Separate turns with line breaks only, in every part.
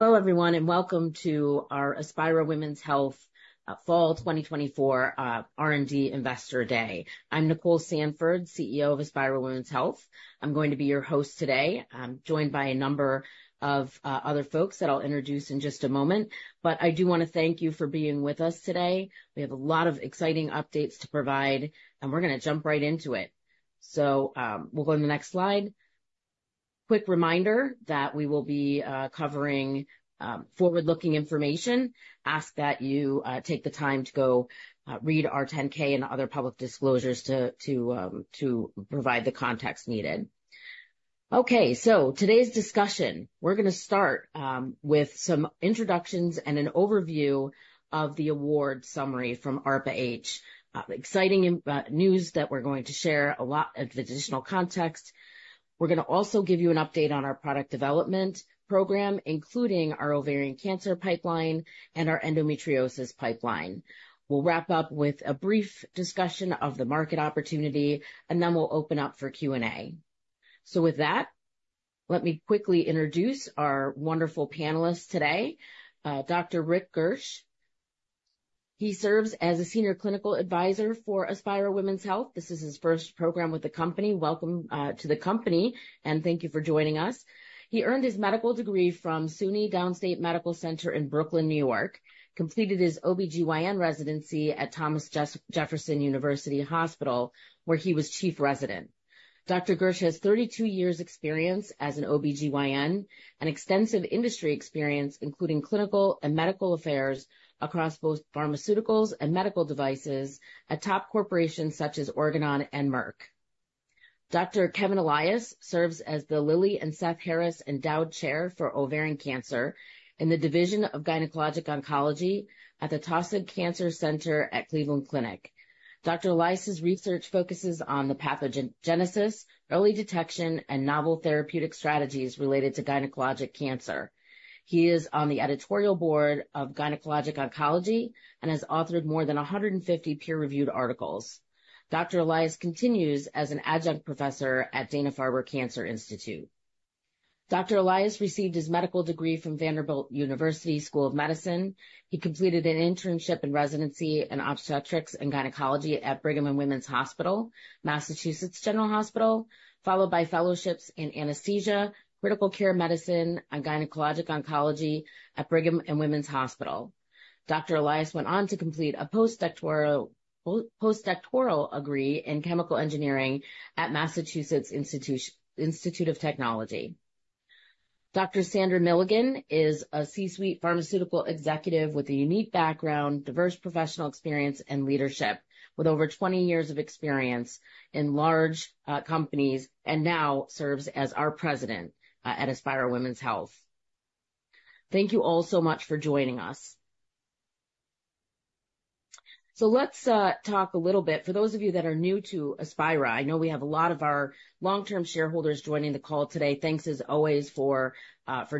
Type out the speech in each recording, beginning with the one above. Hello, everyone, and welcome to our Aspira Women's Health Fall 2024 R&D Investor Day. I'm Nicole Sandford, CEO of Aspira Women's Health. I'm going to be your host today, joined by a number of other folks that I'll introduce in just a moment. But I do want to thank you for being with us today. We have a lot of exciting updates to provide, and we're going to jump right into it. So we'll go to the next slide. Quick reminder that we will be covering forward-looking information. Ask that you take the time to go read Form 10-K and other public disclosures to provide the context needed. Okay, so today's discussion, we're going to start with some introductions and an overview of the award summary from ARPA-H. Exciting news that we're going to share a lot of additional context. We're going to also give you an update on our product development program, including our ovarian cancer pipeline and our endometriosis pipeline. We'll wrap up with a brief discussion of the market opportunity, and then we'll open up for Q&A. So with that, let me quickly introduce our wonderful panelists today. Dr. Richard Gersch, he serves as a senior clinical advisor for Aspira Women's Health. This is his first program with the company. Welcome to the company, and thank you for joining us. He earned his medical degree from SUNY Downstate Health Sciences University in Brooklyn, New York, completed his OB-GYN residency at Thomas Jefferson University Hospital, where he was chief resident. Dr. Gersch has 32 years' experience as an OB-GYN and extensive industry experience, including clinical and medical affairs across both pharmaceuticals and medical devices at top corporations such as Organon and Merck. Dr. Kevin Elias serves as the Lilly and Seth Harris Endowed Chair for Ovarian Cancer in the Division of Gynecologic Oncology at the Taussig Cancer Center at Cleveland Clinic. Dr. Elias' research focuses on the pathogenesis, early detection, and novel therapeutic strategies related to gynecologic cancer. He is on the editorial board of Gynecologic Oncology and has authored more than 150 peer-reviewed articles. Dr. Elias continues as an adjunct professor at Dana-Farber Cancer Institute. Dr. Elias received his medical degree from Vanderbilt University School of Medicine. He completed an internship and residency in obstetrics and gynecology at Brigham and Women's Hospital, Massachusetts General Hospital, followed by fellowships in anesthesia, critical care medicine, and gynecologic oncology at Brigham and Women's Hospital. Dr. Elias went on to complete a postdoctoral degree in chemical engineering at Massachusetts Institute of Technology. Dr. Sandra Milligan is a C-suite pharmaceutical executive with a unique background, diverse professional experience, and leadership, with over 20 years of experience in large companies, and now serves as our President at Aspira Women's Health. Thank you all so much for joining us. So let's talk a little bit. For those of you that are new to Aspira, I know we have a lot of our long-term shareholders joining the call today. Thanks, as always, for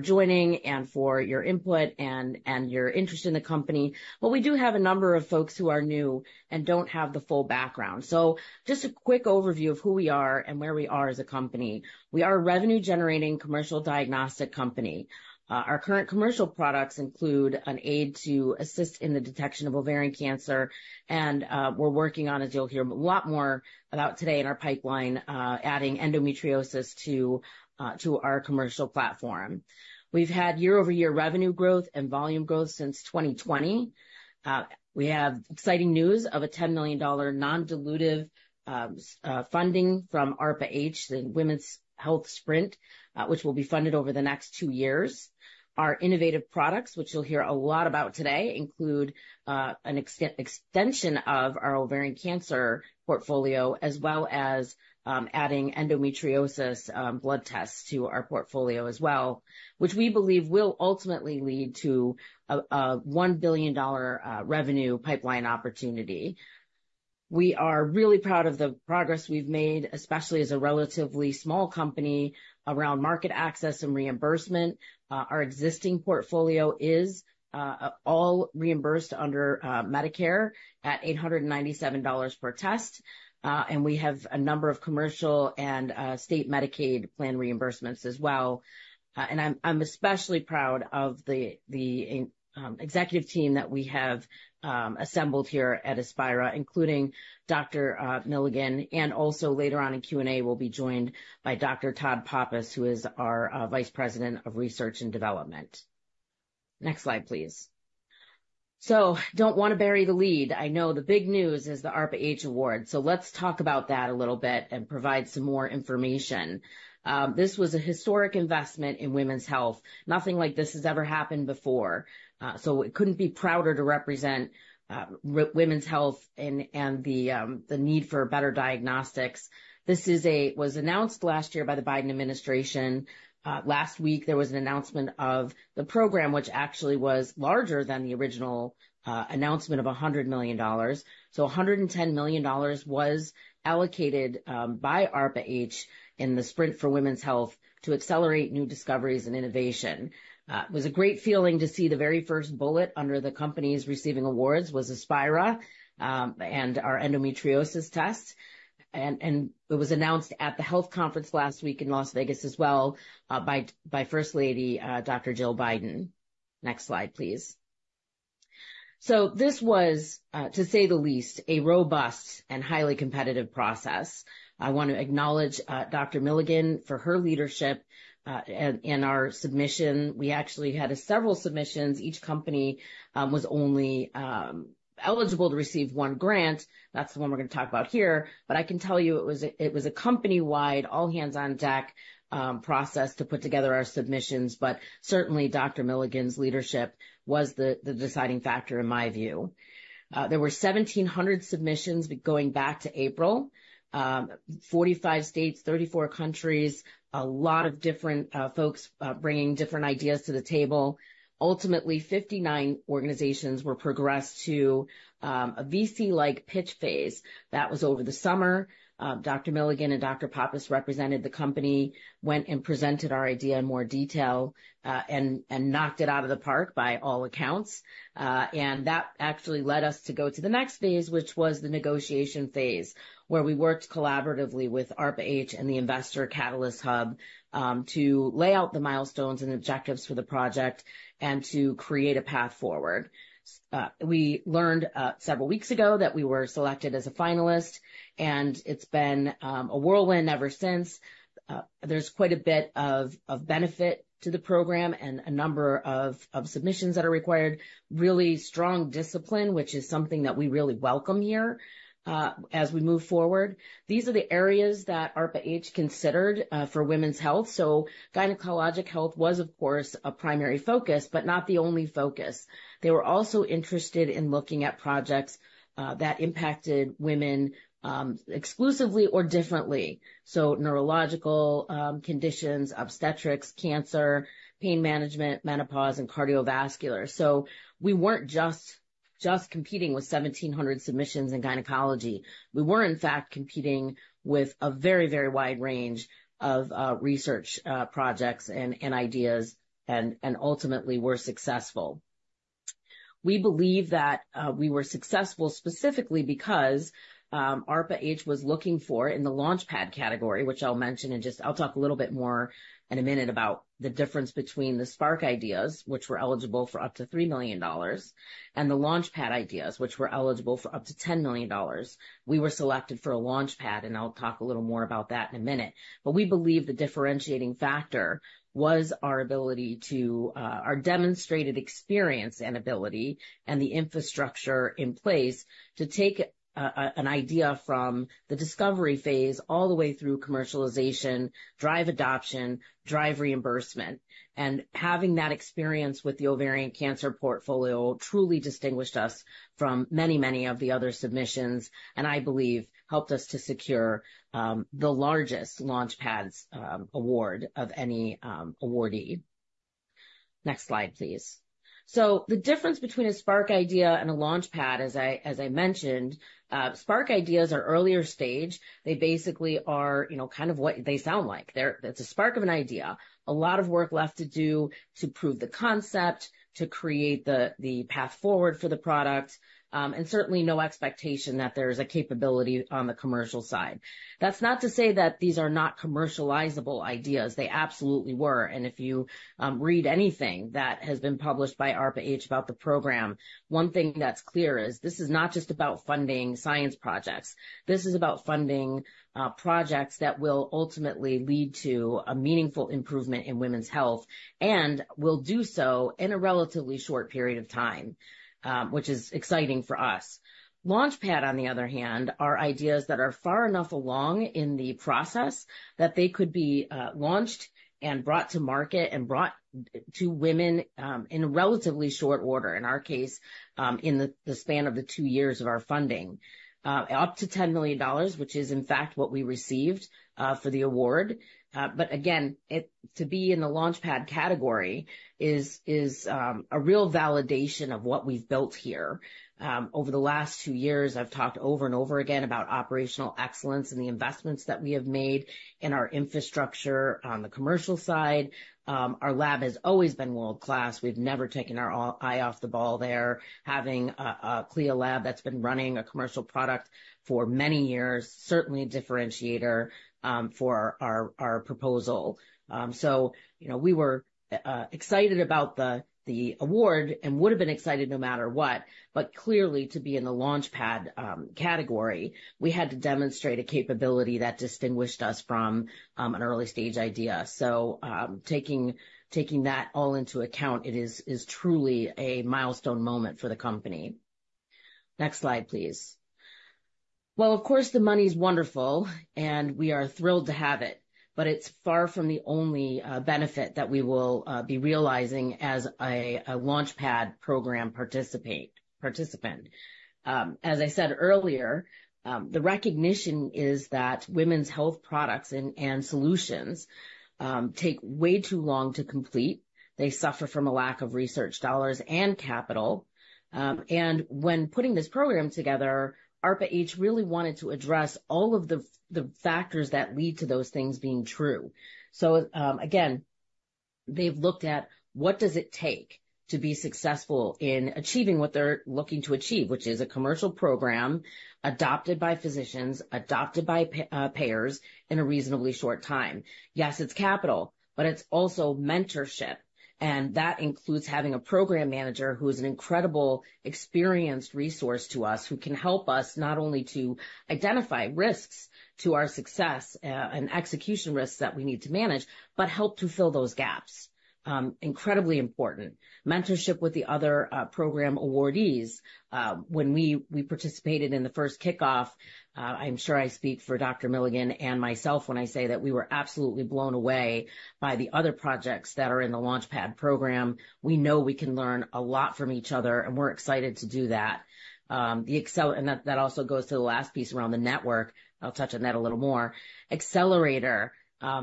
joining and for your input and your interest in the company. But we do have a number of folks who are new and don't have the full background. So just a quick overview of who we are and where we are as a company. We are a revenue-generating commercial diagnostic company. Our current commercial products include an aid to assist in the detection of ovarian cancer, and we're working on, as you'll hear a lot more about today in our pipeline, adding endometriosis to our commercial platform. We've had year-over-year revenue growth and volume growth since 2020. We have exciting news of a $10 million non-dilutive funding from ARPA-H, the Sprint for Women's Health, which will be funded over the next two years. Our innovative products, which you'll hear a lot about today, include an extension of our ovarian cancer portfolio, as well as adding endometriosis blood tests to our portfolio as well, which we believe will ultimately lead to a $1 billion revenue pipeline opportunity. We are really proud of the progress we've made, especially as a relatively small company around market access and reimbursement. Our existing portfolio is all reimbursed under Medicare at $897 per test, and we have a number of commercial and state Medicaid plan reimbursements as well, and I'm especially proud of the executive team that we have assembled here at Aspira, including Dr. Milligan, and also later on in Q&A, we'll be joined by Dr. Todd Pappas, who is our Vice President of Research and Development. Next slide, please. I know the big news is the ARPA-H award, so let's talk about that a little bit and provide some more information. This was a historic investment in women's health. Nothing like this has ever happened before. I couldn't be prouder to represent women's health and the need for better diagnostics. This was announced last year by the Biden administration. Last week, there was an announcement of the program, which actually was larger than the original announcement of $100 million. So $110 million was allocated by ARPA-H in the Sprint for Women's Health to accelerate new discoveries and innovation. It was a great feeling to see the very first bullet under the company's receiving awards was Aspira and our endometriosis test. And it was announced at the health conference last week in Las Vegas as well by First Lady Dr. Jill Biden. Next slide, please. So this was, to say the least, a robust and highly competitive process. I want to acknowledge Dr. Milligan for her leadership in our submission. We actually had several submissions. Each company was only eligible to receive one grant. That's the one we're going to talk about here. But I can tell you it was a company-wide, all-hands-on-deck process to put together our submissions. Certainly, Dr. Milligan's leadership was the deciding factor, in my view. There were 1,700 submissions going back to April, 45 states, 34 countries, a lot of different folks bringing different ideas to the table. Ultimately, 59 organizations were progressed to a VC-like pitch phase. That was over the summer. Dr. Milligan and Dr. Pappas represented the company, went and presented our idea in more detail, and knocked it out of the park by all accounts. That actually led us to go to the next phase, which was the negotiation phase, where we worked collaboratively with ARPA-H and the Investor Catalyst Hub to lay out the milestones and objectives for the project and to create a path forward. We learned several weeks ago that we were selected as a finalist, and it's been a whirlwind ever since. There's quite a bit of benefit to the program and a number of submissions that are required, really strong discipline, which is something that we really welcome here as we move forward. These are the areas that ARPA-H considered for women's health. So gynecologic health was, of course, a primary focus, but not the only focus. They were also interested in looking at projects that impacted women exclusively or differently. So neurological conditions, obstetrics, cancer, pain management, menopause, and cardiovascular. So we weren't just competing with 1,700 submissions in gynecology. We were, in fact, competing with a very, very wide range of research projects and ideas, and ultimately were successful. We believe that we were successful specifically because ARPA-H was looking for in the Launchpad category, which I'll mention, and just I'll talk a little bit more in a minute about the difference between the Spark ideas, which were eligible for up to $3 million, and the Launchpad ideas, which were eligible for up to $10 million. We were selected for a Launchpad, and I'll talk a little more about that in a minute. But we believe the differentiating factor was our ability to our demonstrated experience and ability and the infrastructure in place to take an idea from the discovery phase all the way through commercialization, drive adoption, drive reimbursement. Having that experience with the ovarian cancer portfolio truly distinguished us from many, many of the other submissions, and I believe helped us to secure the largest Launchpad award of any awardee. Next slide, please. So the difference between a Spark idea and a Launchpad, as I mentioned, Spark ideas are earlier stage. They basically are kind of what they sound like. It's a spark of an idea, a lot of work left to do to prove the concept, to create the path forward for the product, and certainly no expectation that there is a capability on the commercial side. That's not to say that these are not commercializable ideas. They absolutely were. And if you read anything that has been published by ARPA-H about the program, one thing that's clear is this is not just about funding science projects. This is about funding projects that will ultimately lead to a meaningful improvement in women's health and will do so in a relatively short period of time, which is exciting for us. Launchpad, on the other hand, are ideas that are far enough along in the process that they could be launched and brought to market and brought to women in relatively short order, in our case, in the span of the two years of our funding, up to $10 million, which is, in fact, what we received for the award. But again, to be in the Launchpad category is a real validation of what we've built here. Over the last two years, I've talked over and over again about operational excellence and the investments that we have made in our infrastructure on the commercial side. Our lab has always been world-class. We've never taken our eye off the ball there. Having a CLIA lab that's been running a commercial product for many years, certainly a differentiator for our proposal. So we were excited about the award and would have been excited no matter what. But clearly, to be in the Launchpad category, we had to demonstrate a capability that distinguished us from an early-stage idea. So taking that all into account, it is truly a milestone moment for the company. Next slide, please. Well, of course, the money's wonderful, and we are thrilled to have it. But it's far from the only benefit that we will be realizing as a Launchpad program participant. As I said earlier, the recognition is that women's health products and solutions take way too long to complete. They suffer from a lack of research dollars and capital. And when putting this program together, ARPA-H really wanted to address all of the factors that lead to those things being true. So again, they've looked at what does it take to be successful in achieving what they're looking to achieve, which is a commercial program adopted by physicians, adopted by payers in a reasonably short time. Yes, it's capital, but it's also mentorship. And that includes having a program manager who is an incredible experienced resource to us, who can help us not only to identify risks to our success and execution risks that we need to manage, but help to fill those gaps. Incredibly important. Mentorship with the other program awardees. When we participated in the first kickoff, I'm sure I speak for Dr. Milligan and myself when I say that we were absolutely blown away by the other projects that are in the Launchpad program. We know we can learn a lot from each other, and we're excited to do that. That also goes to the last piece around the network. I'll touch on that a little more. Accelerator,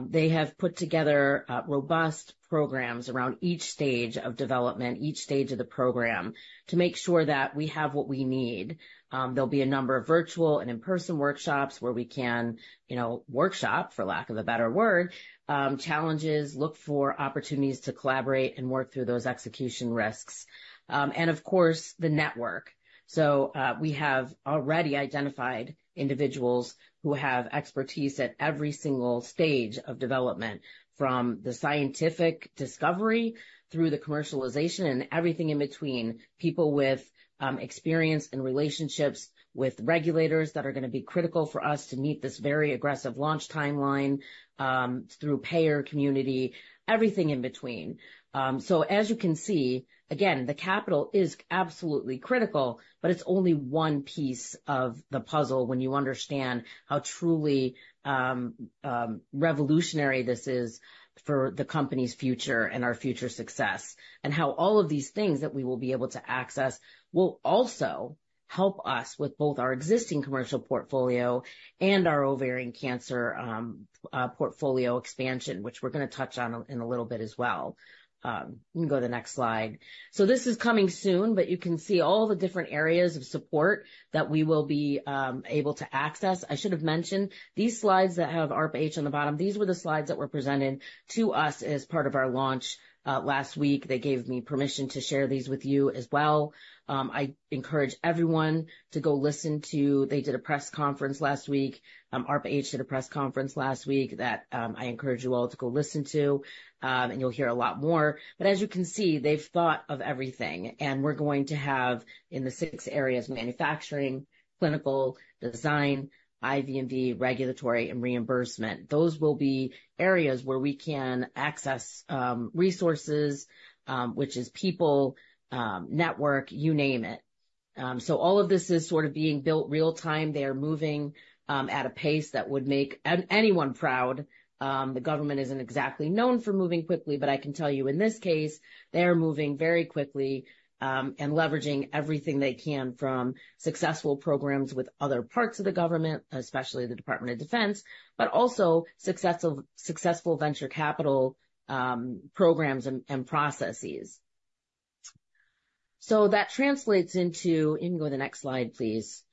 they have put together robust programs around each stage of development, each stage of the program, to make sure that we have what we need. There'll be a number of virtual and in-person workshops where we can workshop, for lack of a better word, challenges, look for opportunities to collaborate and work through those execution risks. And of course, the network. So we have already identified individuals who have expertise at every single stage of development, from the scientific discovery through the commercialization and everything in between, people with experience and relationships with regulators that are going to be critical for us to meet this very aggressive launch timeline through payer community, everything in between. So as you can see, again, the capital is absolutely critical, but it's only one piece of the puzzle when you understand how truly revolutionary this is for the company's future and our future success, and how all of these things that we will be able to access will also help us with both our existing commercial portfolio and our ovarian cancer portfolio expansion, which we're going to touch on in a little bit as well. You can go to the next slide. So this is coming soon, but you can see all the different areas of support that we will be able to access. I should have mentioned these slides that have ARPA-H on the bottom. These were the slides that were presented to us as part of our launch last week. They gave me permission to share these with you as well. ARPA-H did a press conference last week that I encourage you all to go listen to, and you'll hear a lot more, but as you can see, they've thought of everything, and we're going to have in the six areas: manufacturing, clinical design, IV&V, regulatory, and reimbursement. Those will be areas where we can access resources, which is people, network, you name it, so all of this is sort of being built real-time. They are moving at a pace that would make anyone proud. The government isn't exactly known for moving quickly, but I can tell you in this case, they are moving very quickly and leveraging everything they can from successful programs with other parts of the government, especially the Department of Defense, but also successful venture capital programs and processes. So that translates into, you can go to the next slide, please.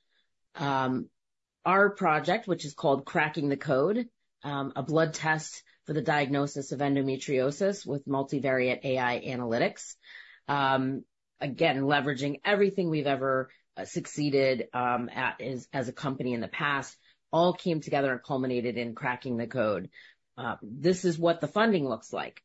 Our project, which is called Cracking the Code, a blood test for the diagnosis of endometriosis with multivariate AI analytics, again, leveraging everything we've ever succeeded at as a company in the past, all came together and culminated in Cracking the Code. This is what the funding looks like.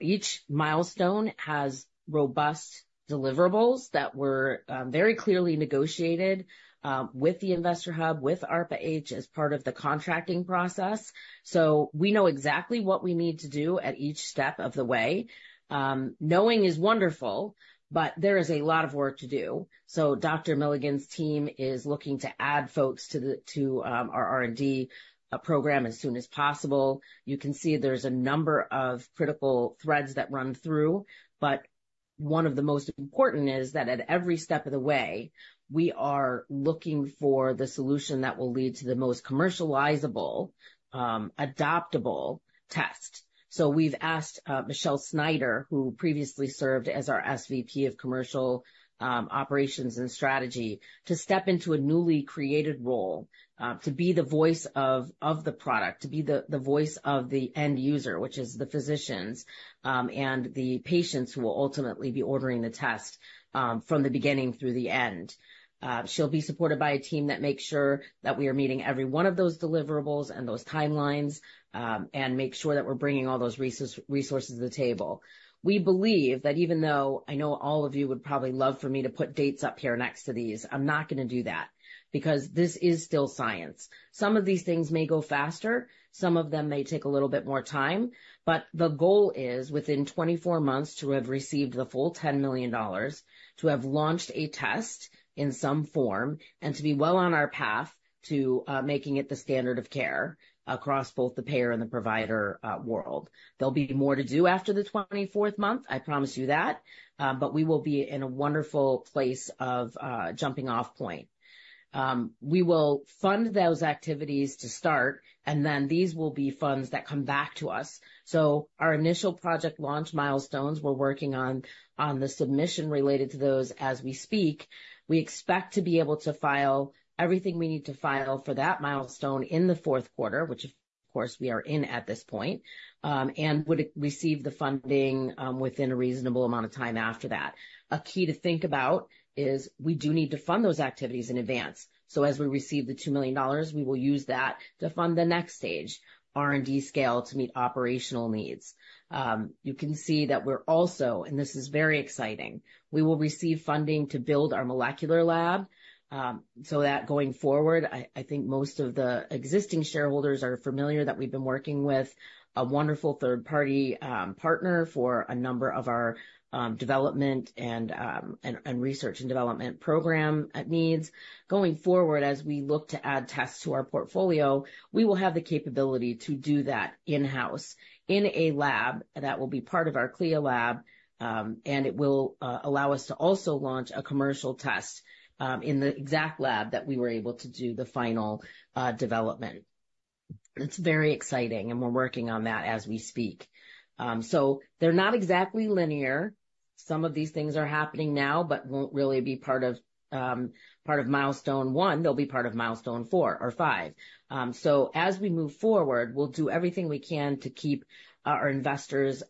Each milestone has robust deliverables that were very clearly negotiated with the Investor Hub, with ARPA-H as part of the contracting process. So we know exactly what we need to do at each step of the way. Knowing is wonderful, but there is a lot of work to do. So Dr. Milligan's team is looking to add folks to our R&D program as soon as possible. You can see there's a number of critical threads that run through. One of the most important is that at every step of the way, we are looking for the solution that will lead to the most commercializable, adoptable test. We've asked Michelle Snyder, who previously served as our SVP of Commercial Operations and Strategy, to step into a newly created role to be the voice of the product, to be the voice of the end user, which is the physicians and the patients who will ultimately be ordering the test from the beginning through the end. She'll be supported by a team that makes sure that we are meeting every one of those deliverables and those timelines and makes sure that we're bringing all those resources to the table. We believe that even though I know all of you would probably love for me to put dates up here next to these, I'm not going to do that because this is still science. Some of these things may go faster. Some of them may take a little bit more time. But the goal is within 24 months to have received the full $10 million, to have launched a test in some form, and to be well on our path to making it the standard of care across both the payer and the provider world. There'll be more to do after the 24th month, I promise you that. But we will be in a wonderful place of jumping-off point. We will fund those activities to start, and then these will be funds that come back to us. So our initial project launch milestones, we're working on the submission related to those as we speak. We expect to be able to file everything we need to file for that milestone in the fourth quarter, which, of course, we are in at this point, and would receive the funding within a reasonable amount of time after that. A key to think about is we do need to fund those activities in advance. So as we receive the $2 million, we will use that to fund the next stage, R&D scale to meet operational needs. You can see that we're also, and this is very exciting, we will receive funding to build our molecular lab. So that going forward, I think most of the existing shareholders are familiar that we've been working with a wonderful third-party partner for a number of our development and research and development program needs. Going forward, as we look to add tests to our portfolio, we will have the capability to do that in-house in a lab that will be part of our CLIA lab, and it will allow us to also launch a commercial test in the exact lab that we were able to do the final development. It's very exciting, and we're working on that as we speak. So they're not exactly linear. Some of these things are happening now, but won't really be part of milestone one. They'll be part of milestone four or five. So as we move forward, we'll do everything we can to keep our investors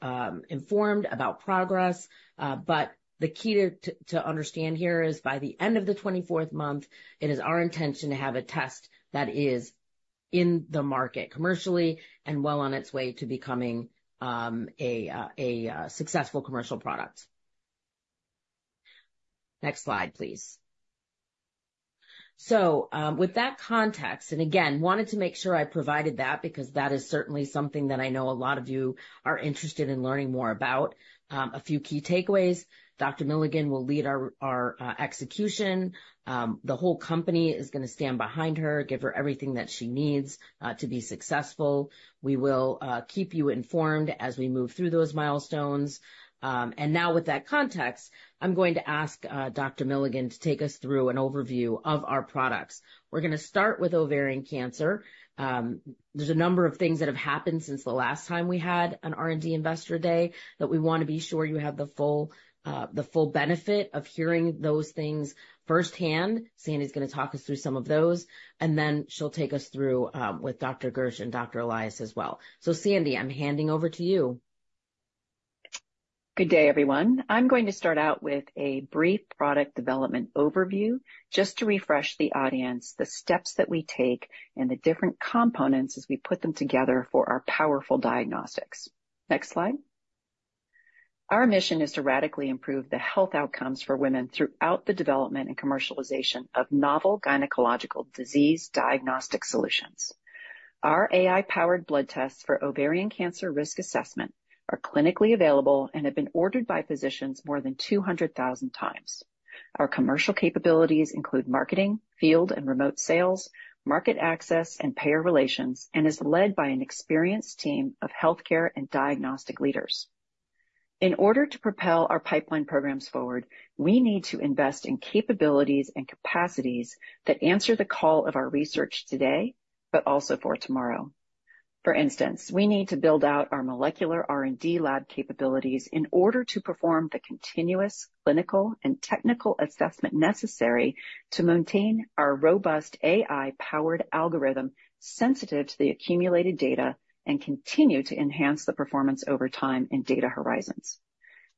informed about progress. But the key to understand here is by the end of the 24th month, it is our intention to have a test that is in the market commercially and well on its way to becoming a successful commercial product. Next slide, please. So with that context, and again, wanted to make sure I provided that because that is certainly something that I know a lot of you are interested in learning more about. A few key takeaways. Dr. Milligan will lead our execution. The whole company is going to stand behind her, give her everything that she needs to be successful. We will keep you informed as we move through those milestones. And now with that context, I'm going to ask Dr. Milligan to take us through an overview of our products. We're going to start with ovarian cancer. There's a number of things that have happened since the last time we had an R&D Investor Day that we want to be sure you have the full benefit of hearing those things firsthand. Sandy's going to talk us through some of those. And then she'll take us through with Dr. Gersch and Dr. Elias as well. So Sandy, I'm handing over to you.
Good day, everyone. I'm going to start out with a brief product development overview just to refresh the audience the steps that we take and the different components as we put them together for our powerful diagnostics. Next slide. Our mission is to radically improve the health outcomes for women throughout the development and commercialization of novel gynecological disease diagnostic solutions. Our AI-powered blood tests for ovarian cancer risk assessment are clinically available and have been ordered by physicians more than 200,000 times. Our commercial capabilities include marketing, field and remote sales, market access, and payer relations, and is led by an experienced team of healthcare and diagnostic leaders. In order to propel our pipeline programs forward, we need to invest in capabilities and capacities that answer the call of our research today, but also for tomorrow. For instance, we need to build out our molecular R&D lab capabilities in order to perform the continuous clinical and technical assessment necessary to maintain our robust AI-powered algorithm sensitive to the accumulated data and continue to enhance the performance over time and data horizons.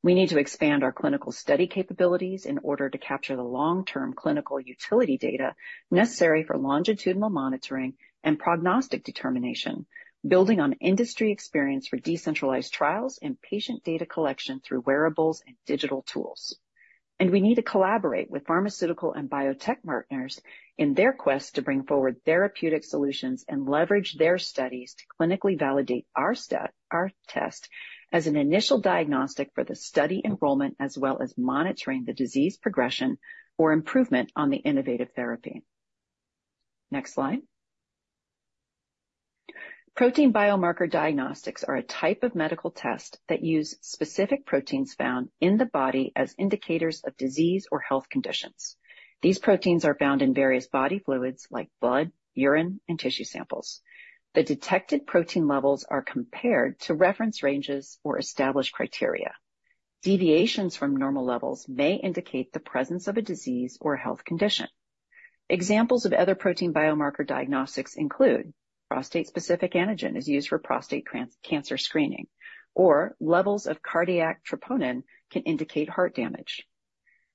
We need to expand our clinical study capabilities in order to capture the long-term clinical utility data necessary for longitudinal monitoring and prognostic determination, building on industry experience for decentralized trials and patient data collection through wearables and digital tools, and we need to collaborate with pharmaceutical and biotech partners in their quest to bring forward therapeutic solutions and leverage their studies to clinically validate our test as an initial diagnostic for the study enrollment, as well as monitoring the disease progression or improvement on the innovative therapy. Next slide. Protein biomarker diagnostics are a type of medical test that uses specific proteins found in the body as indicators of disease or health conditions. These proteins are found in various body fluids like blood, urine, and tissue samples. The detected protein levels are compared to reference ranges or established criteria. Deviations from normal levels may indicate the presence of a disease or health condition. Examples of other protein biomarker diagnostics include prostate-specific antigen is used for prostate cancer screening, or levels of cardiac troponin can indicate heart damage.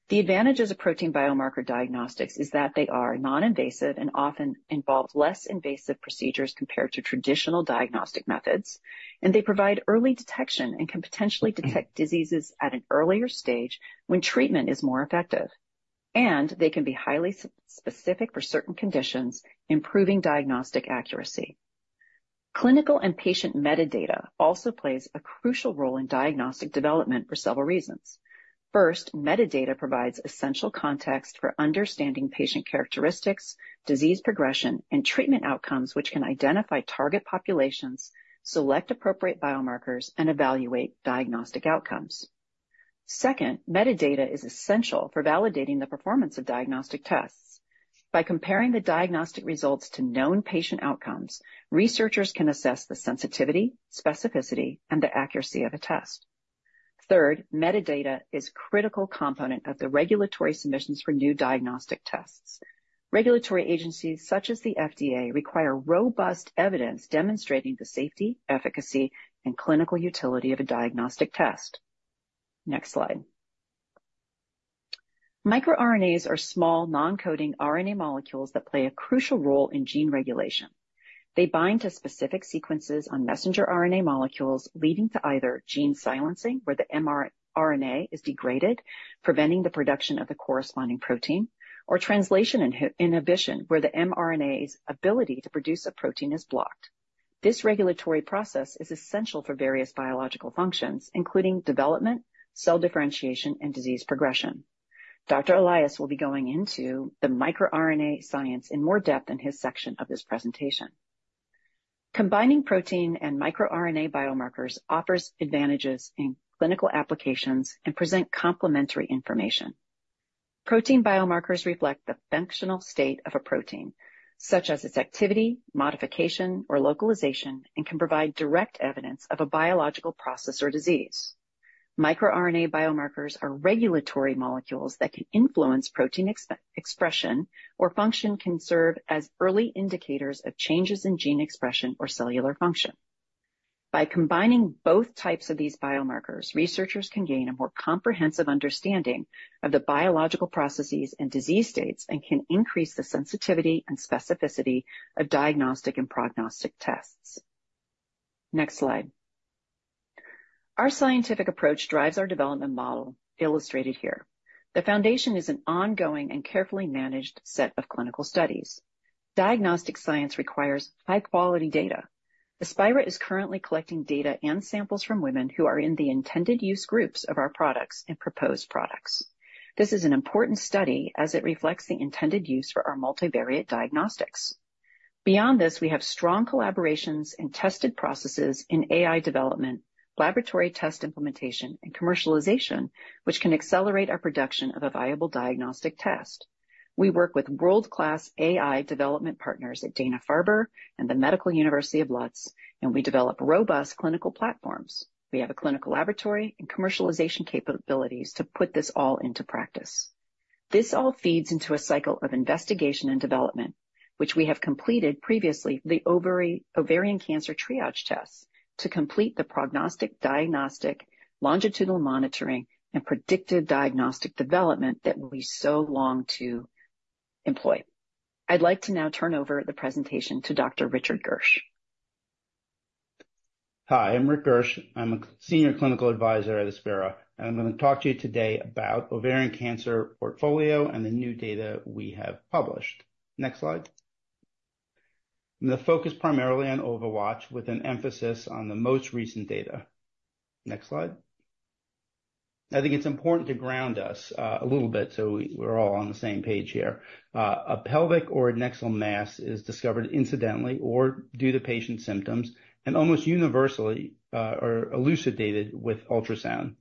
The advantages of protein biomarker diagnostics is that they are non-invasive and often involve less invasive procedures compared to traditional diagnostic methods, and they provide early detection and can potentially detect diseases at an earlier stage when treatment is more effective, and they can be highly specific for certain conditions, improving diagnostic accuracy. Clinical and patient metadata also plays a crucial role in diagnostic development for several reasons. First, metadata provides essential context for understanding patient characteristics, disease progression, and treatment outcomes, which can identify target populations, select appropriate biomarkers, and evaluate diagnostic outcomes. Second, metadata is essential for validating the performance of diagnostic tests. By comparing the diagnostic results to known patient outcomes, researchers can assess the sensitivity, specificity, and the accuracy of a test. Third, metadata is a critical component of the regulatory submissions for new diagnostic tests. Regulatory agencies such as the FDA require robust evidence demonstrating the safety, efficacy, and clinical utility of a diagnostic test. Next slide. MicroRNAs are small non-coding RNA molecules that play a crucial role in gene regulation. They bind to specific sequences on messenger RNA molecules, leading to either gene silencing, where the mRNA is degraded, preventing the production of the corresponding protein, or translation inhibition, where the mRNA's ability to produce a protein is blocked. This regulatory process is essential for various biological functions, including development, cell differentiation, and disease progression. Dr. Elias will be going into the microRNA science in more depth in his section of this presentation. Combining protein and microRNA biomarkers offers advantages in clinical applications and presents complementary information. Protein biomarkers reflect the functional state of a protein, such as its activity, modification, or localization, and can provide direct evidence of a biological process or disease. MicroRNA biomarkers are regulatory molecules that can influence protein expression or function and can serve as early indicators of changes in gene expression or cellular function. By combining both types of these biomarkers, researchers can gain a more comprehensive understanding of the biological processes and disease states and can increase the sensitivity and specificity of diagnostic and prognostic tests. Next slide. Our scientific approach drives our development model, illustrated here. The foundation is an ongoing and carefully managed set of clinical studies. Diagnostic science requires high-quality data. Aspira is currently collecting data and samples from women who are in the intended use groups of our products and proposed products. This is an important study as it reflects the intended use for our multivariate diagnostics. Beyond this, we have strong collaborations and tested processes in AI development, laboratory test implementation, and commercialization, which can accelerate our production of a viable diagnostic test. We work with world-class AI development partners at Dana-Farber and the Medical University of Lodz, and we develop robust clinical platforms. We have a clinical laboratory and commercialization capabilities to put this all into practice. This all feeds into a cycle of investigation and development, which we have completed previously, the ovarian cancer triage tests to complete the prognostic, diagnostic, longitudinal monitoring, and predictive diagnostic development that we so long to employ. I'd like to now turn over the presentation to Dr. Richard Gersch.
Hi, I'm Richard Gersch. I'm a senior clinical advisor at Aspira, and I'm going to talk to you today about ovarian cancer portfolio and the new data we have published. Next slide. I'm going to focus primarily on OvaWatch with an emphasis on the most recent data. Next slide. I think it's important to ground us a little bit so we're all on the same page here. A pelvic or adnexal mass is discovered incidentally or due to patient symptoms and almost universally elucidated with ultrasound.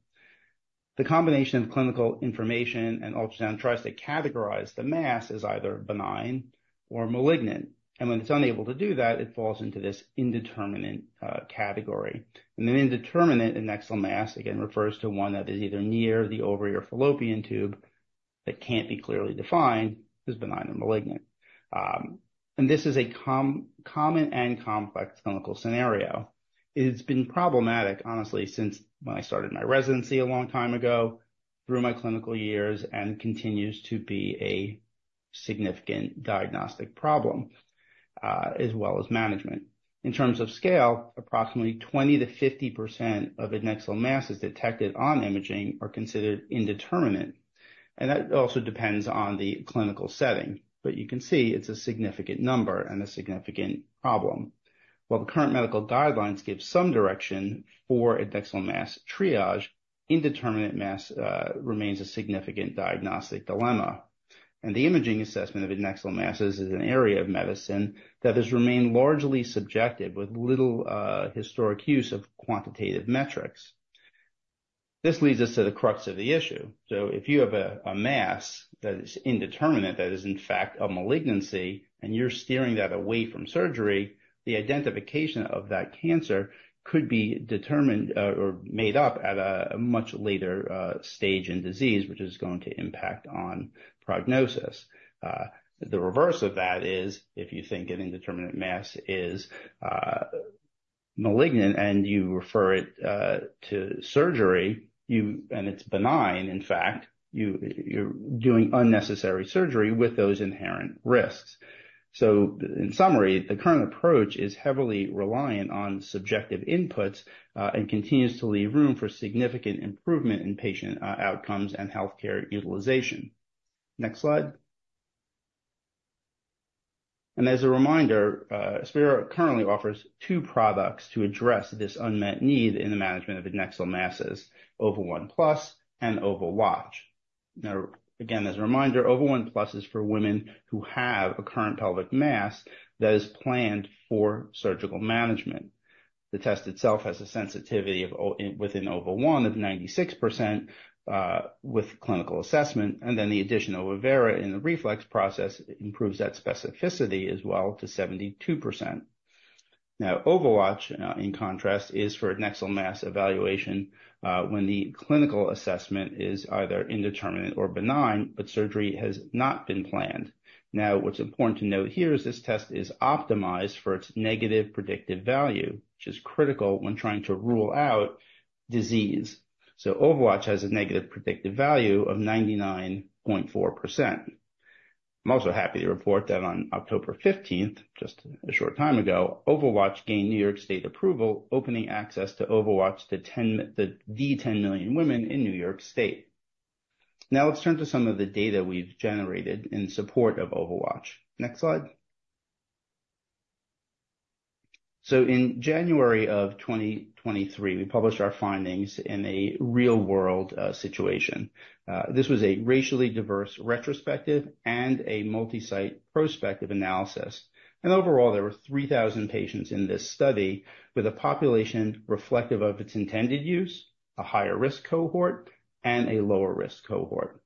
The combination of clinical information and ultrasound tries to categorize the mass as either benign or malignant, and when it's unable to do that, it falls into this indeterminate category, and an indeterminate adnexal mass, again, refers to one that is either near the ovary or fallopian tube that can't be clearly defined as benign or malignant. This is a common and complex clinical scenario. It's been problematic, honestly, since when I started my residency a long time ago through my clinical years and continues to be a significant diagnostic problem as well as management. In terms of scale, approximately 20%-50% of adnexal masses detected on imaging are considered indeterminate. That also depends on the clinical setting. But you can see it's a significant number and a significant problem. While the current medical guidelines give some direction for adnexal mass triage, indeterminate mass remains a significant diagnostic dilemma. The imaging assessment of adnexal masses is an area of medicine that has remained largely subjective with little historic use of quantitative metrics. This leads us to the crux of the issue. If you have a mass that is indeterminate, that is in fact a malignancy, and you're steering that away from surgery, the identification of that cancer could be determined or picked up at a much later stage in disease, which is going to impact on prognosis. The reverse of that is if you think an indeterminate mass is malignant and you refer it to surgery and it's benign, in fact, you're doing unnecessary surgery with those inherent risks. So in summary, the current approach is heavily reliant on subjective inputs and continues to leave room for significant improvement in patient outcomes and healthcare utilization. Next slide. And as a reminder, Aspira currently offers two products to address this unmet need in the management of adnexal masses, OvaWatch+ and OvaWatch. Now, again, as a reminder, OvaWatch+ is for women who have a current pelvic mass that is planned for surgical management. The test itself has a sensitivity within OvaWatch+ of 96% with clinical assessment, and then the addition of Overa in the reflex process improves that specificity as well to 72%. Now, OvaWatch, in contrast, is for adnexal mass evaluation when the clinical assessment is either indeterminate or benign, but surgery has not been planned. Now, what's important to note here is this test is optimized for its negative predictive value, which is critical when trying to rule out disease, so OvaWatch has a negative predictive value of 99.4%. I'm also happy to report that on October 15th, just a short time ago, OvaWatch gained New York State approval, opening access to OvaWatch to the 10 million women in New York State. Now, let's turn to some of the data we've generated in support of OvaWatch. Next slide, so in January of 2023, we published our findings in a real-world situation. This was a racially diverse retrospective and a multi-site prospective analysis, and overall, there were 3,000 patients in this study with a population reflective of its intended use, a higher risk cohort, and a lower risk cohort.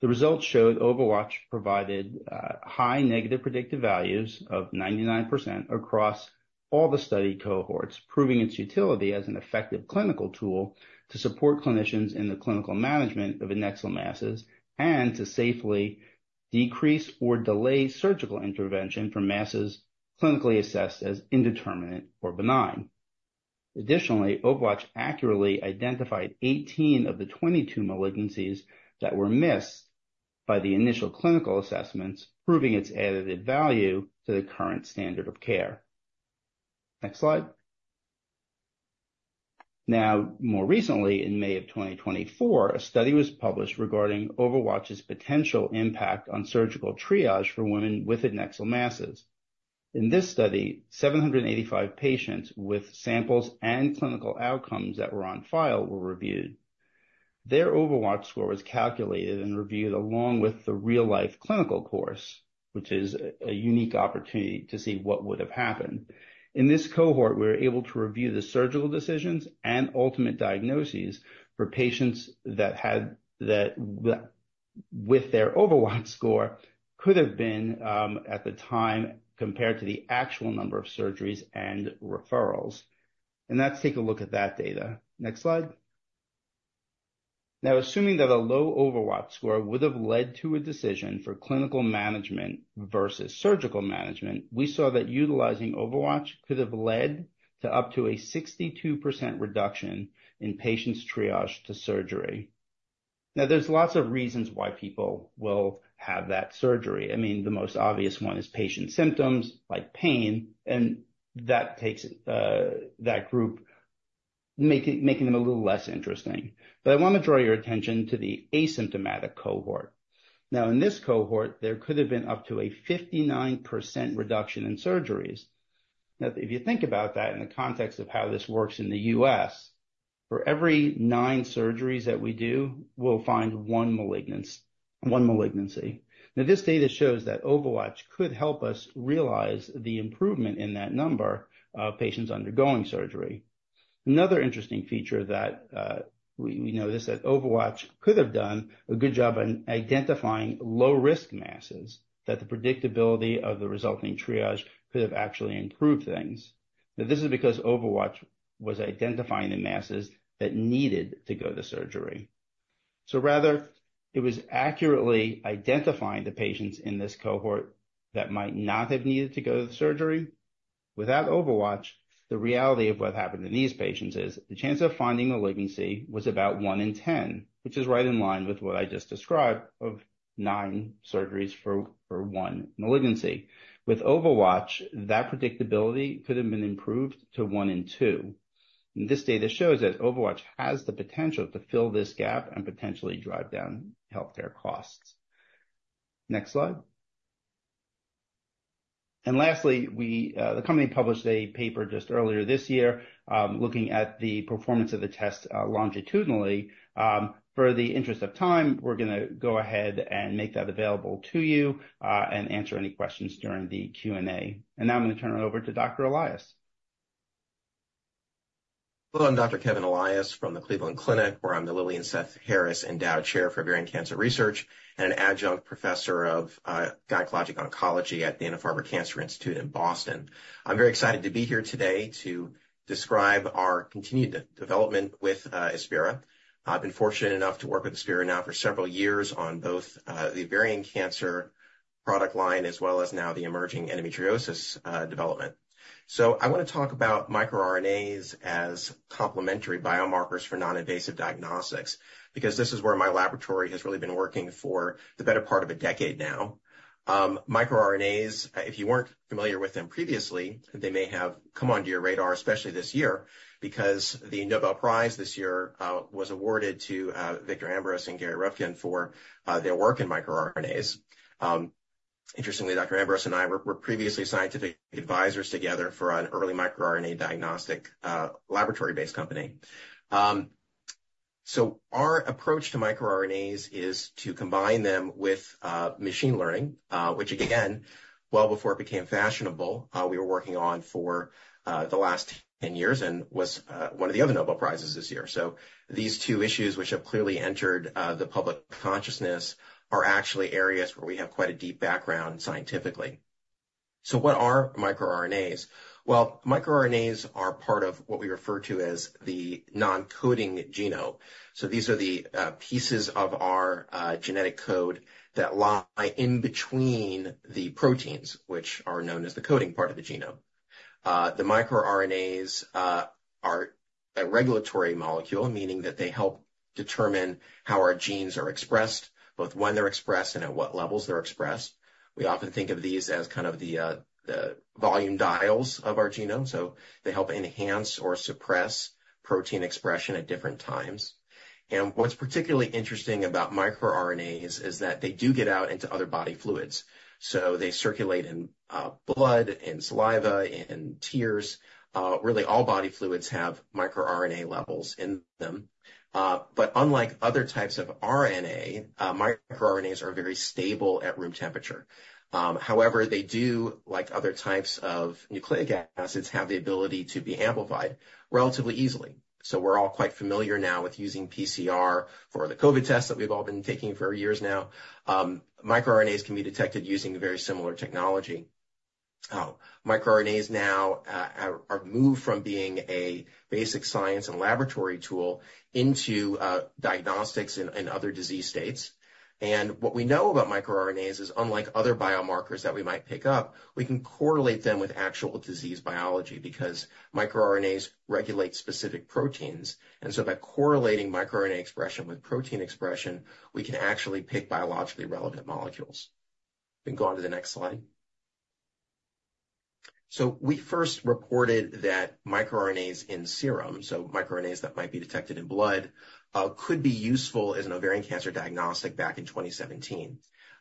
The results showed OvaWatch provided high negative predictive values of 99% across all the study cohorts, proving its utility as an effective clinical tool to support clinicians in the clinical management of adnexal masses and to safely decrease or delay surgical intervention for masses clinically assessed as indeterminate or benign. Additionally, OvaWatch accurately identified 18 of the 22 malignancies that were missed by the initial clinical assessments, proving its added value to the current standard of care. Next slide. Now, more recently, in May of 2024, a study was published regarding OvaWatch's potential impact on surgical triage for women with adnexal masses. In this study, 785 patients with samples and clinical outcomes that were on file were reviewed. Their OvaWatch score was calculated and reviewed along with the real-life clinical course, which is a unique opportunity to see what would have happened. In this cohort, we were able to review the surgical decisions and ultimate diagnoses for patients that had that with their OvaWatch score could have been at the time compared to the actual number of surgeries and referrals. Let's take a look at that data. Next slide. Now, assuming that a low OvaWatch score would have led to a decision for clinical management versus surgical management, we saw that utilizing OvaWatch could have led to up to a 62% reduction in patients' triage to surgery. Now, there's lots of reasons why people will have that surgery. I mean, the most obvious one is patient symptoms like pain, and that takes that group making them a little less interesting. But I want to draw your attention to the asymptomatic cohort. Now, in this cohort, there could have been up to a 59% reduction in surgeries. Now, if you think about that in the context of how this works in the U.S., for every nine surgeries that we do, we'll find one malignancy. Now, this data shows that OvaWatch could help us realize the improvement in that number of patients undergoing surgery. Another interesting feature that we know is that OvaWatch could have done a good job in identifying low-risk masses that the predictability of the resulting triage could have actually improved things. Now, this is because OvaWatch was identifying the masses that needed to go to surgery. So rather, it was accurately identifying the patients in this cohort that might not have needed to go to the surgery. Without OvaWatch, the reality of what happened to these patients is the chance of finding malignancy was about one in 10, which is right in line with what I just described of nine surgeries for one malignancy. With OvaWatch, that predictability could have been improved to one in two. And this data shows that OvaWatch has the potential to fill this gap and potentially drive down healthcare costs. Next slide. And lastly, the company published a paper just earlier this year looking at the performance of the test longitudinally. For the interest of time, we're going to go ahead and make that available to you and answer any questions during the Q&A. Now I'm going to turn it over to Dr. Elias.
Hello. I'm Dr. Kevin Elias from the Cleveland Clinic, where I'm the Lillian Seth Harris Endowed Chair for Ovarian Cancer Research and an adjunct professor of gynecologic oncology at Dana-Farber Cancer Institute in Boston. I'm very excited to be here today to describe our continued development with ASPIRA. I've been fortunate enough to work with ASPIRA now for several years on both the ovarian cancer product line as well as now the emerging endometriosis development. So I want to talk about microRNAs as complementary biomarkers for non-invasive diagnostics because this is where my laboratory has really been working for the better part of a decade now. MicroRNAs, if you weren't familiar with them previously, they may have come onto your radar, especially this year, because the Nobel Prize this year was awarded to Victor Ambros and Gary Ruvkun for their work in microRNAs. Interestingly, Dr. Ambrose and I were previously scientific advisors together for an early microRNA diagnostic laboratory-based company. So our approach to microRNAs is to combine them with machine learning, which, again, well before it became fashionable, we were working on for the last 10 years and was one of the other Nobel Prizes this year. So these two issues, which have clearly entered the public consciousness, are actually areas where we have quite a deep background scientifically. So what are microRNAs? Well, microRNAs are part of what we refer to as the non-coding genome. So these are the pieces of our genetic code that lie in between the proteins, which are known as the coding part of the genome. The microRNAs are a regulatory molecule, meaning that they help determine how our genes are expressed, both when they're expressed and at what levels they're expressed. We often think of these as kind of the volume dials of our genome. So they help enhance or suppress protein expression at different times. And what's particularly interesting about microRNAs is that they do get out into other body fluids. So they circulate in blood, in saliva, in tears. Really, all body fluids have microRNA levels in them. But unlike other types of RNA, microRNAs are very stable at room temperature. However, they do, like other types of nucleic acids, have the ability to be amplified relatively easily. So we're all quite familiar now with using PCR for the COVID tests that we've all been taking for years now. MicroRNAs can be detected using very similar technology. MicroRNAs now are moved from being a basic science and laboratory tool into diagnostics and other disease states. And what we know about microRNAs is, unlike other biomarkers that we might pick up, we can correlate them with actual disease biology because microRNAs regulate specific proteins. And so by correlating microRNA expression with protein expression, we can actually pick biologically relevant molecules. We can go on to the next slide. So we first reported that microRNAs in serum, so microRNAs that might be detected in blood, could be useful as an ovarian cancer diagnostic back in 2017.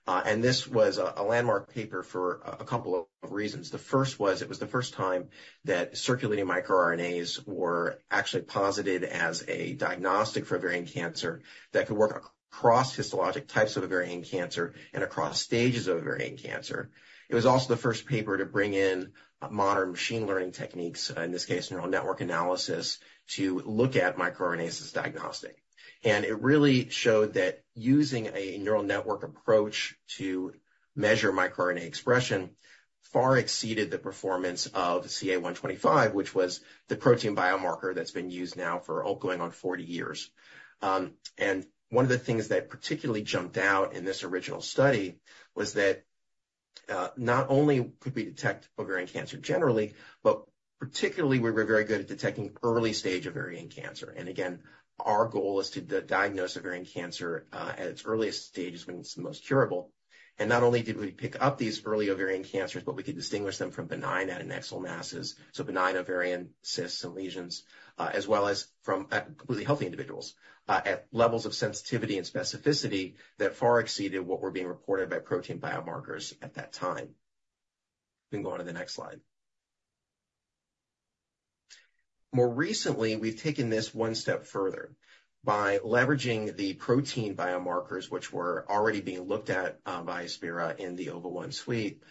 And this was a landmark paper for a couple of reasons. The first was it was the first time that circulating microRNAs were actually posited as a diagnostic for ovarian cancer that could work across histologic types of ovarian cancer and across stages of ovarian cancer. It was also the first paper to bring in modern machine learning techniques, in this case, neural network analysis, to look at microRNAs as diagnostic. And it really showed that using a neural network approach to measure microRNA expression far exceeded the performance of CA125, which was the protein biomarker that's been used now for going on 40 years. And one of the things that particularly jumped out in this original study was that not only could we detect ovarian cancer generally, but particularly we were very good at detecting early-stage ovarian cancer. And again, our goal is to diagnose ovarian cancer at its earliest stage when it's the most curable. And not only did we pick up these early ovarian cancers, but we could distinguish them from benign adnexal masses, so benign ovarian cysts and lesions, as well as from completely healthy individuals at levels of sensitivity and specificity that far exceeded what were being reported by protein biomarkers at that time. We can go on to the next slide. More recently, we've taken this one step further. By leveraging the protein biomarkers, which were already being looked at by Aspira in the OvaWatch suite,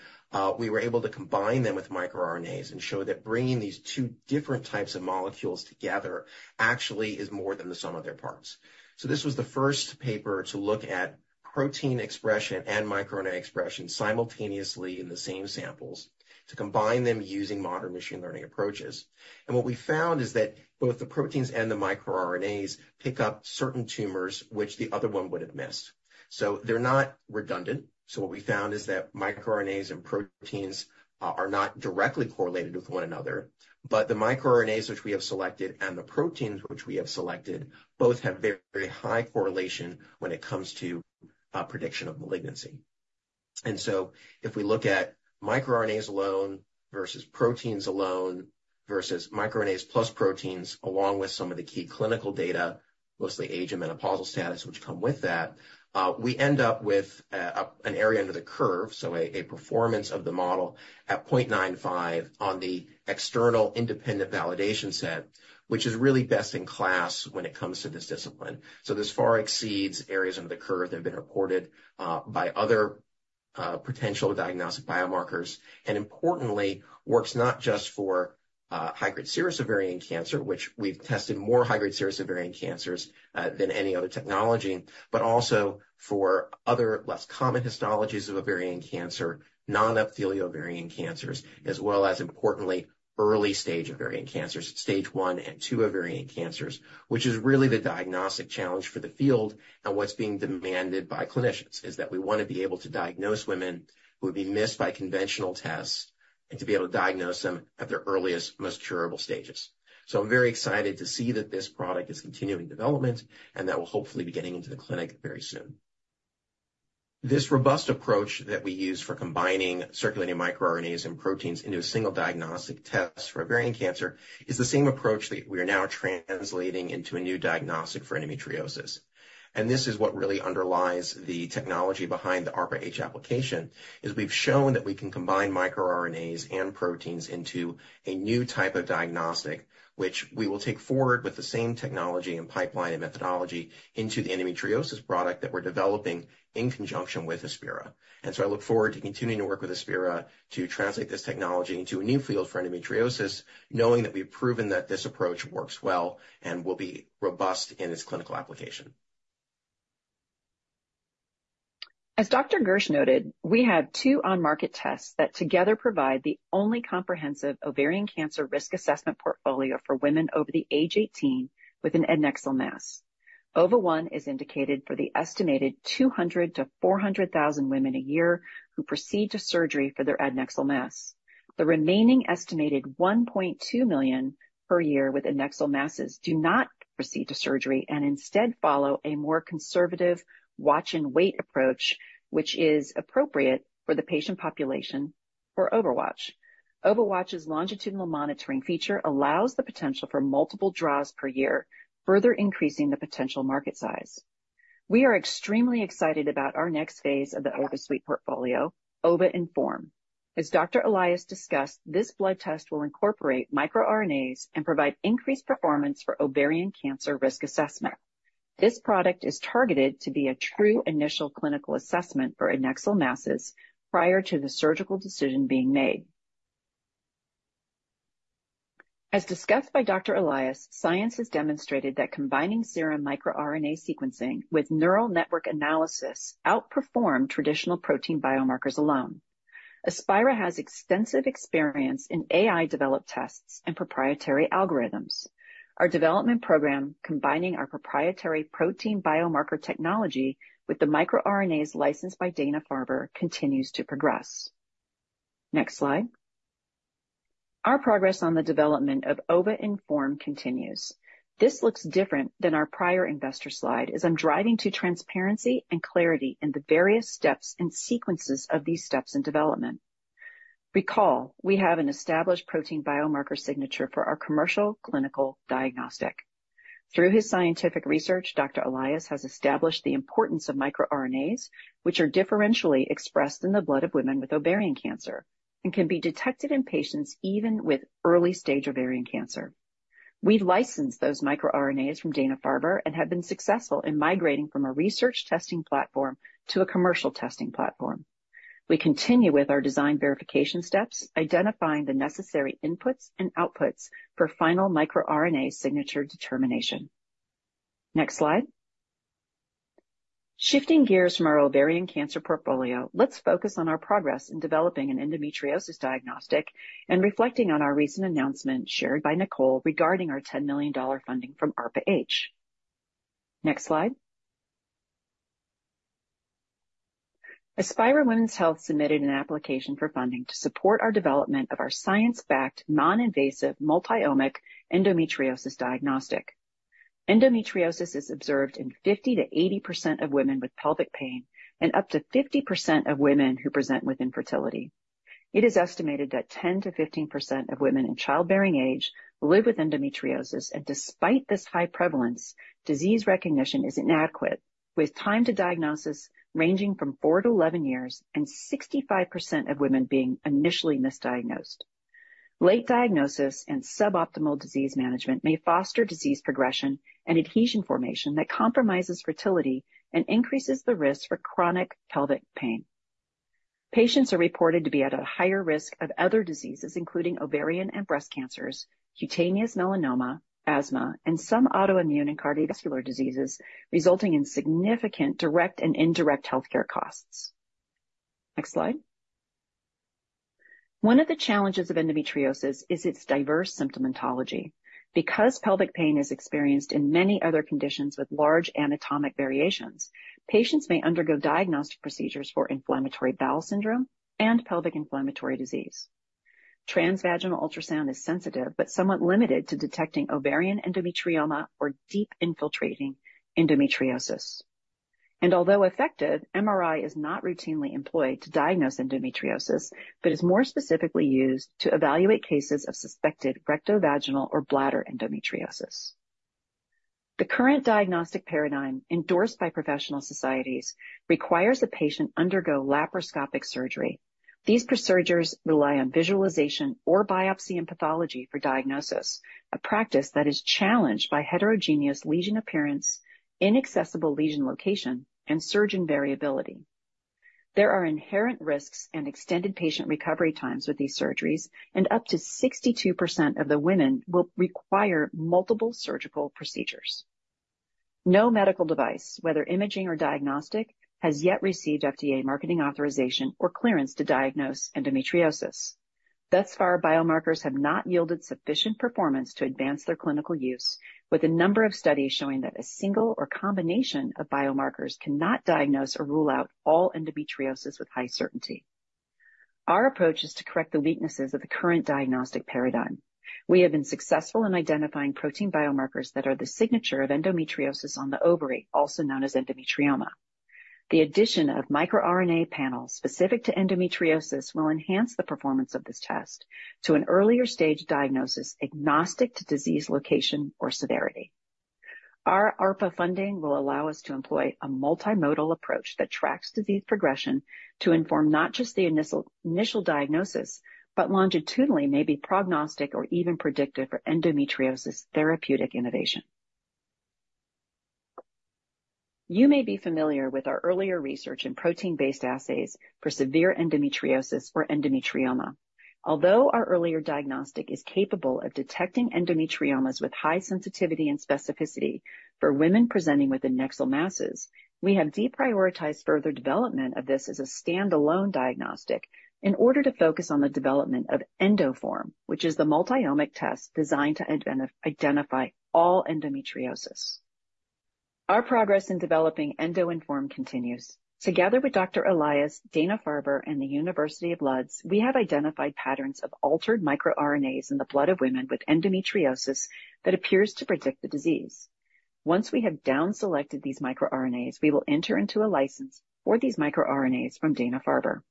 we were able to combine them with microRNAs and show that bringing these two different types of molecules together actually is more than the sum of their parts, so this was the first paper to look at protein expression and microRNA expression simultaneously in the same samples to combine them using modern machine learning approaches. And what we found is that both the proteins and the microRNAs pick up certain tumors which the other one would have missed, so they're not redundant, so what we found is that microRNAs and proteins are not directly correlated with one another, but the microRNAs which we have selected and the proteins which we have selected both have very high correlation when it comes to prediction of malignancy. And so if we look at microRNAs alone versus proteins alone versus microRNAs plus proteins along with some of the key clinical data, mostly age and menopausal status, which come with that, we end up with an area under the curve, so a performance of the model at 0.95 on the external independent validation set, which is really best in class when it comes to this discipline, so this far exceeds areas under the curve that have been reported by other potential diagnostic biomarkers. And importantly, it works not just for high-grade serous ovarian cancer, which we've tested more high-grade serous ovarian cancers than any other technology, but also for other less common histologies of ovarian cancer, non-epithelial ovarian cancers, as well as, importantly, early-stage ovarian cancers, stage one and two ovarian cancers, which is really the diagnostic challenge for the field and what's being demanded by clinicians is that we want to be able to diagnose women who would be missed by conventional tests and to be able to diagnose them at their earliest, most curable stages. So I'm very excited to see that this product is continuing development and that we'll hopefully be getting into the clinic very soon. This robust approach that we use for combining circulating microRNAs and proteins into a single diagnostic test for ovarian cancer is the same approach that we are now translating into a new diagnostic for endometriosis. And this is what really underlies the technology behind the ARPA-H application, is we've shown that we can combine microRNAs and proteins into a new type of diagnostic, which we will take forward with the same technology and pipeline and methodology into the endometriosis product that we're developing in conjunction with Aspira. And so I look forward to continuing to work with Aspira to translate this technology into a new field for endometriosis, knowing that we've proven that this approach works well and will be robust in its clinical application.
As Dr. Gersch noted, we have two on-market tests that together provide the only comprehensive ovarian cancer risk assessment portfolio for women over the age 18 with an adnexal mass. OvaWatch is indicated for the estimated 200,000-400,000 women a year who proceed to surgery for their adnexal mass. The remaining estimated 1.2 million per year with adnexal masses do not proceed to surgery and instead follow a more conservative watch-and-wait approach, which is appropriate for the patient population for OvaWatch. OvaWatch's longitudinal monitoring feature allows the potential for multiple draws per year, further increasing the potential market size. We are extremely excited about our next phase of the OvaSuite portfolio, OvaInform. As Dr. Elias discussed, this blood test will incorporate microRNAs and provide increased performance for ovarian cancer risk assessment. This product is targeted to be a true initial clinical assessment for adnexal masses prior to the surgical decision being made. As discussed by Dr. Elias, science has demonstrated that combining serum microRNA sequencing with neural network analysis outperforms traditional protein biomarkers alone. Aspira has extensive experience in AI-developed tests and proprietary algorithms. Our development program combining our proprietary protein biomarker technology with the microRNAs licensed by Dana-Farber continues to progress. Next slide. Our progress on the development of OvaInform continues. This looks different than our prior investor slide as I'm driving to transparency and clarity in the various steps and sequences of these steps in development. Recall, we have an established protein biomarker signature for our commercial clinical diagnostic. Through his scientific research, Dr. Elias has established the importance of microRNAs, which are differentially expressed in the blood of women with ovarian cancer and can be detected in patients even with early-stage ovarian cancer. We've licensed those microRNAs from Dana-Farber and have been successful in migrating from a research testing platform to a commercial testing platform. We continue with our design verification steps, identifying the necessary inputs and outputs for final microRNA signature determination. Next slide. Shifting gears from our ovarian cancer portfolio, let's focus on our progress in developing an endometriosis diagnostic and reflecting on our recent announcement shared by Nicole regarding our $10 million funding from ARPA-H. Next slide. Aspira Women's Health submitted an application for funding to support our development of our science-backed non-invasive multi-omic endometriosis diagnostic. Endometriosis is observed in 50%-80% of women with pelvic pain and up to 50% of women who present with infertility. It is estimated that 10%-15% of women in childbearing age live with endometriosis, and despite this high prevalence, disease recognition is inadequate, with time to diagnosis ranging from four-11 years and 65% of women being initially misdiagnosed. Late diagnosis and suboptimal disease management may foster disease progression and adhesion formation that compromises fertility and increases the risk for chronic pelvic pain. Patients are reported to be at a higher risk of other diseases, including ovarian and breast cancers, cutaneous melanoma, asthma, and some autoimmune and cardiovascular diseases, resulting in significant direct and indirect healthcare costs. Next slide. One of the challenges of endometriosis is its diverse symptomatology. Because pelvic pain is experienced in many other conditions with large anatomic variations, patients may undergo diagnostic procedures for inflammatory bowel syndrome and pelvic inflammatory disease. Transvaginal ultrasound is sensitive but somewhat limited to detecting ovarian endometrioma or deep infiltrating endometriosis. Although effective, MRI is not routinely employed to diagnose endometriosis, but is more specifically used to evaluate cases of suspected rectovaginal or bladder endometriosis. The current diagnostic paradigm endorsed by professional societies requires a patient to undergo laparoscopic surgery. These procedures rely on visualization or biopsy and pathology for diagnosis, a practice that is challenged by heterogeneous lesion appearance, inaccessible lesion location, and surgeon variability. There are inherent risks and extended patient recovery times with these surgeries, and up to 62% of the women will require multiple surgical procedures. No medical device, whether imaging or diagnostic, has yet received FDA marketing authorization or clearance to diagnose endometriosis. Thus far, biomarkers have not yielded sufficient performance to advance their clinical use, with a number of studies showing that a single or combination of biomarkers cannot diagnose or rule out all endometriosis with high certainty. Our approach is to correct the weaknesses of the current diagnostic paradigm. We have been successful in identifying protein biomarkers that are the signature of endometriosis on the ovary, also known as endometrioma. The addition of microRNA panels specific to endometriosis will enhance the performance of this test to an earlier-stage diagnosis agnostic to disease location or severity. Our ARPA funding will allow us to employ a multimodal approach that tracks disease progression to inform not just the initial diagnosis, but longitudinally may be prognostic or even predictive for endometriosis therapeutic innovation. You may be familiar with our earlier research in protein-based assays for severe endometriosis or endometrioma. Although our earlier diagnostic is capable of detecting endometriomas with high sensitivity and specificity for women presenting with adnexal masses, we have deprioritized further development of this as a standalone diagnostic in order to focus on the development of EndoInform, which is the multi-omic test designed to identify all endometriosis. Our progress in developing EndoInform continues. Together with Dr. Elias, Dana-Farber, and the University of Lodz, we have identified patterns of altered microRNAs in the blood of women with endometriosis that appears to predict the disease. Once we have downselected these microRNAs, we will enter into a license for these microRNAs from Dana-Farber.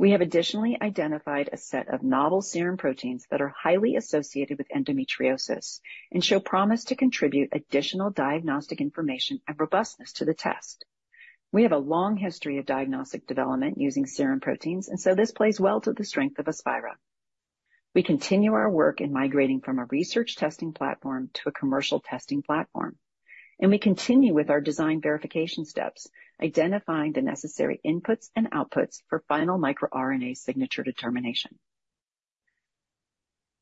We have additionally identified a set of novel serum proteins that are highly associated with endometriosis and show promise to contribute additional diagnostic information and robustness to the test. We have a long history of diagnostic development using serum proteins, and so this plays well to the strength of Aspira. We continue our work in migrating from a research testing platform to a commercial testing platform, and we continue with our design verification steps, identifying the necessary inputs and outputs for final microRNA signature determination.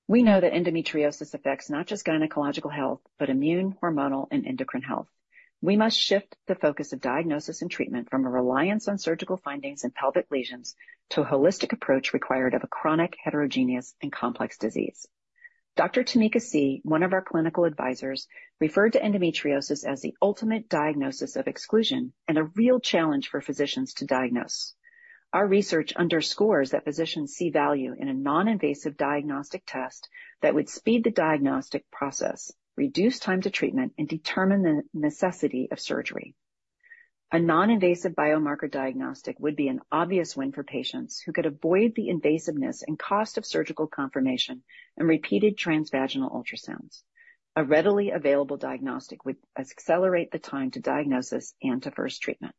We know that endometriosis affects not just gynecological health, but immune, hormonal, and endocrine health. We must shift the focus of diagnosis and treatment from a reliance on surgical findings in pelvic lesions to a holistic approach required of a chronic, heterogeneous, and complex disease. Dr. Tamika Auguste, one of our clinical advisors, referred to endometriosis as the ultimate diagnosis of exclusion and a real challenge for physicians to diagnose. Our research underscores that physicians see value in a non-invasive diagnostic test that would speed the diagnostic process, reduce time to treatment, and determine the necessity of surgery. A non-invasive biomarker diagnostic would be an obvious win for patients who could avoid the invasiveness and cost of surgical confirmation and repeated transvaginal ultrasounds. A readily available diagnostic would accelerate the time to diagnosis and to first treatment.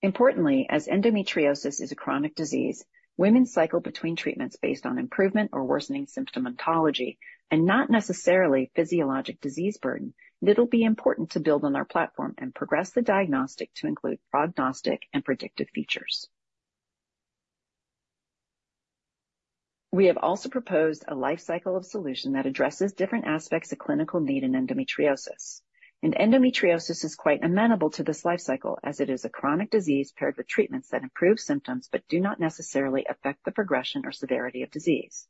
Importantly, as endometriosis is a chronic disease, women cycle between treatments based on improvement or worsening symptomatology and not necessarily physiologic disease burden, and it'll be important to build on our platform and progress the diagnostic to include prognostic and predictive features. We have also proposed a lifecycle of solution that addresses different aspects of clinical need in endometriosis. Endometriosis is quite amenable to this lifecycle as it is a chronic disease paired with treatments that improve symptoms but do not necessarily affect the progression or severity of disease.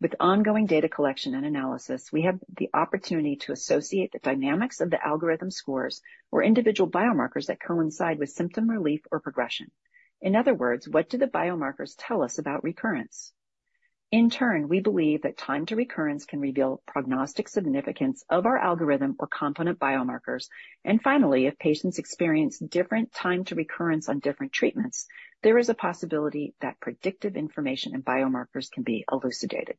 With ongoing data collection and analysis, we have the opportunity to associate the dynamics of the algorithm scores or individual biomarkers that coincide with symptom relief or progression. In other words, what do the biomarkers tell us about recurrence? In turn, we believe that time to recurrence can reveal prognostic significance of our algorithm or component biomarkers. Finally, if patients experience different time to recurrence on different treatments, there is a possibility that predictive information and biomarkers can be elucidated.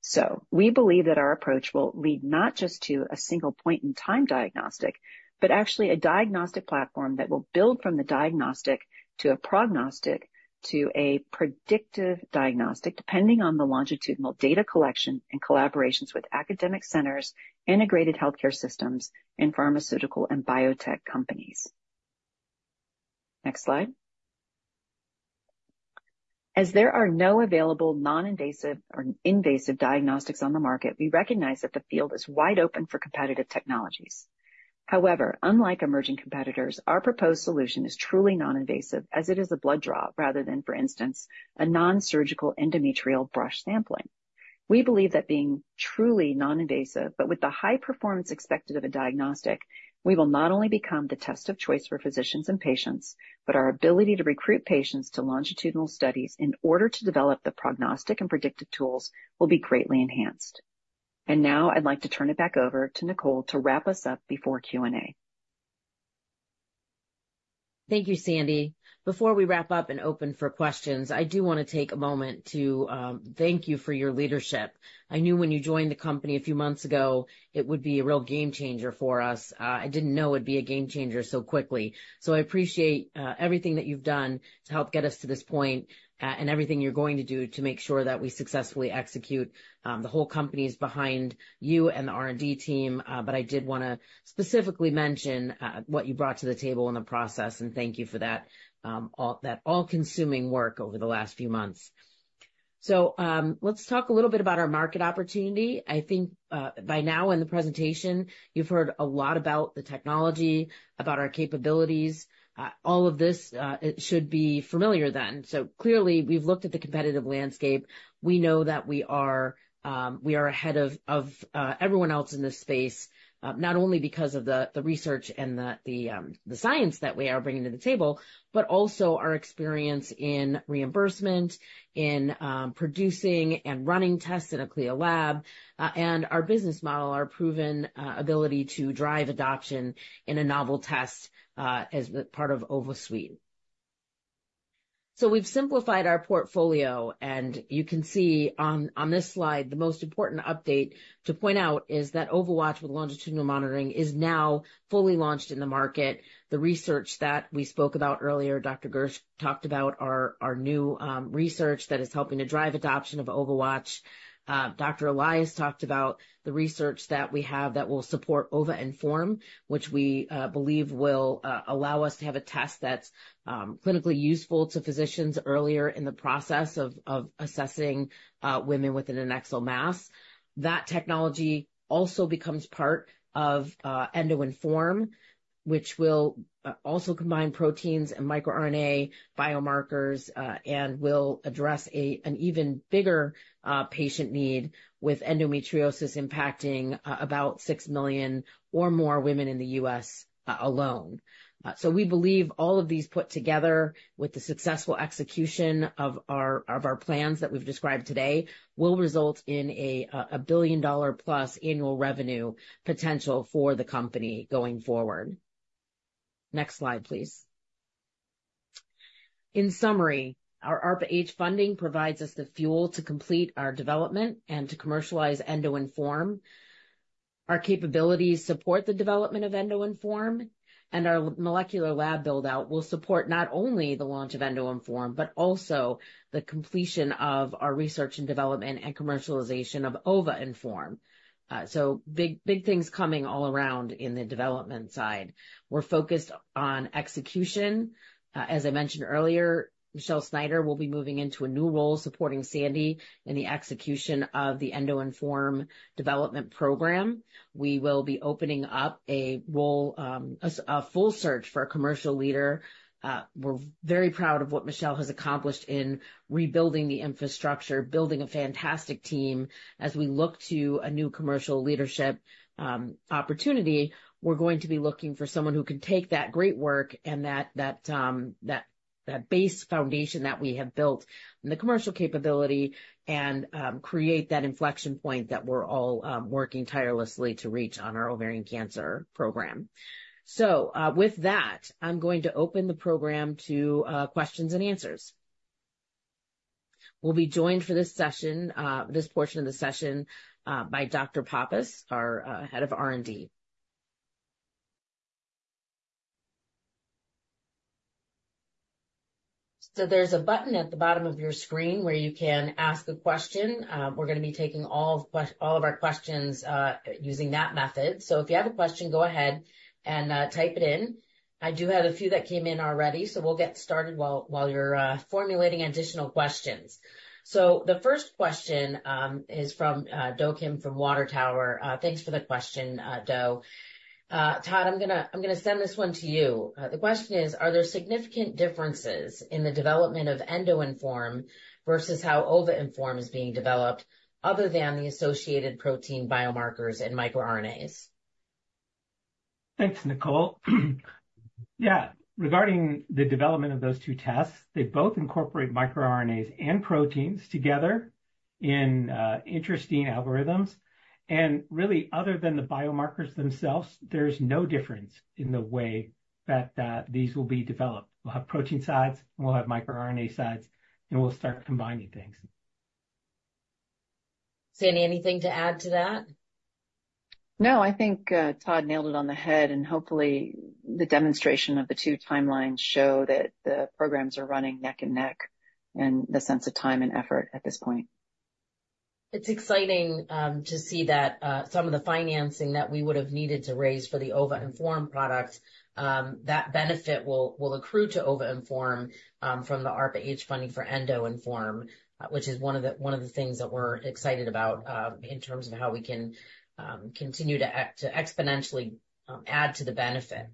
So we believe that our approach will lead not just to a single point-in-time diagnostic, but actually a diagnostic platform that will build from the diagnostic to a prognostic to a predictive diagnostic, depending on the longitudinal data collection and collaborations with academic centers, integrated healthcare systems, and pharmaceutical and biotech companies. Next slide. As there are no available non-invasive or invasive diagnostics on the market, we recognize that the field is wide open for competitive technologies. However, unlike emerging competitors, our proposed solution is truly non-invasive as it is a blood draw rather than, for instance, a non-surgical endometrial brush sampling. We believe that being truly non-invasive, but with the high performance expected of a diagnostic, we will not only become the test of choice for physicians and patients, but our ability to recruit patients to longitudinal studies in order to develop the prognostic and predictive tools will be greatly enhanced, and now I'd like to turn it back over to Nicole to wrap us up before Q&A.
Thank you, Sandy. Before we wrap up and open for questions, I do want to take a moment to thank you for your leadership. I knew when you joined the company a few months ago, it would be a real game changer for us. I didn't know it'd be a game changer so quickly, so I appreciate everything that you've done to help get us to this point and everything you're going to do to make sure that we successfully execute. The whole company is behind you and the R&D team, but I did want to specifically mention what you brought to the table in the process and thank you for that all-consuming work over the last few months. So let's talk a little bit about our market opportunity. I think by now in the presentation, you've heard a lot about the technology, about our capabilities. All of this should be familiar then. So clearly, we've looked at the competitive landscape. We know that we are ahead of everyone else in this space, not only because of the research and the science that we are bringing to the table, but also our experience in reimbursement, in producing and running tests in a CLIA lab, and our business model, our proven ability to drive adoption in a novel test as part of OVASuite. So we've simplified our portfolio, and you can see on this slide, the most important update to point out is that OvaWatch with longitudinal monitoring is now fully launched in the market. The research that we spoke about earlier, Dr. Gersch talked about our new research that is helping to drive adoption of OvaWatch. Dr. Elias talked about the research that we have that will support OvaInform, which we believe will allow us to have a test that's clinically useful to physicians earlier in the process of assessing women with an adnexal mass. That technology also becomes part of EndoInform, which will also combine proteins and microRNA biomarkers and will address an even bigger patient need with endometriosis impacting about six million or more women in the U.S. alone. So we believe all of these put together with the successful execution of our plans that we've described today will result in a billion-dollar-plus annual revenue potential for the company going forward. Next slide, please. In summary, our ARPA-H funding provides us the fuel to complete our development and to commercialize EndoInform. Our capabilities support the development of EndoInform, and our molecular lab buildout will support not only the launch of EndoInform, but also the completion of our research and development and commercialization of OvaInform. So big things coming all around in the development side. We're focused on execution. As I mentioned earlier, Michelle Snyder will be moving into a new role supporting Sandy in the execution of the EndoInform development program. We will be opening up a full search for a commercial leader. We're very proud of what Michelle has accomplished in rebuilding the infrastructure, building a fantastic team. As we look to a new commercial leadership opportunity, we're going to be looking for someone who can take that great work and that base foundation that we have built in the commercial capability and create that inflection point that we're all working tirelessly to reach on our ovarian cancer program. So with that, I'm going to open the program to questions and answers. We'll be joined for this portion of the session by Dr. Pappas, our head of R&D. So there's a button at the bottom of your screen where you can ask a question. We're going to be taking all of our questions using that method. So if you have a question, go ahead and type it in. I do have a few that came in already, so we'll get started while you're formulating additional questions. The first question is from Do Kim from Water Tower. Thanks for the question, Do. Todd, I'm going to send this one to you. The question is, are there significant differences in the development of EndoInform versus how OvaInform is being developed other than the associated protein biomarkers and microRNAs?
Thanks, Nicole. Yeah, regarding the development of those two tests, they both incorporate microRNAs and proteins together in interesting algorithms. Really, other than the biomarkers themselves, there's no difference in the way that these will be developed. We'll have protein sides, we'll have microRNA sides, and we'll start combining things.
Sandy, anything to add to that? No, I think Todd nailed it on the head, and hopefully, the demonstration of the two timelines shows that the programs are running neck and neck in the sense of time and effort at this point. It's exciting to see that some of the financing that we would have needed to raise for the OvaInform product, that benefit will accrue to OvaInform from the ARPA-H funding for EndoInform, which is one of the things that we're excited about in terms of how we can continue to exponentially add to the benefit.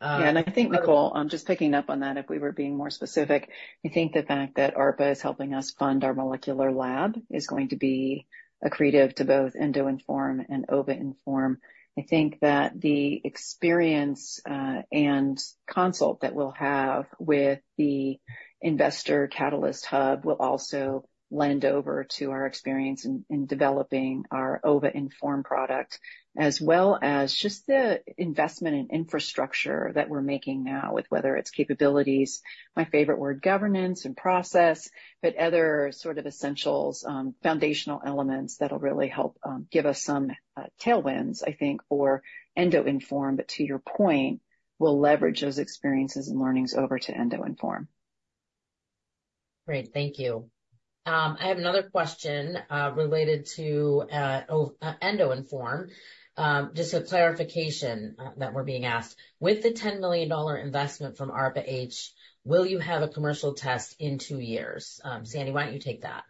Yeah, and I think, Nicole, just picking up on that, if we were being more specific, I think the fact that ARPA is helping us fund our molecular lab is going to be accretive to both EndoInform and OvaInform. I think that the experience and consultancy that we'll have with the Investor Catalyst Hub will also lend over to our experience in developing our OvaInform product, as well as just the investment in infrastructure that we're making now with whether it's capabilities, my favorite word, governance and process, but other sort of essentials, foundational elements that'll really help give us some tailwinds, I think, for EndoInform. But to your point, we'll leverage those experiences and learnings over to EndoInform.
Great. Thank you. I have another question related to EndoInform. Just a clarification that we're being asked. With the $10 million investment from ARPA-H, will you have a commercial test in two years? Sandy, why don't you take that?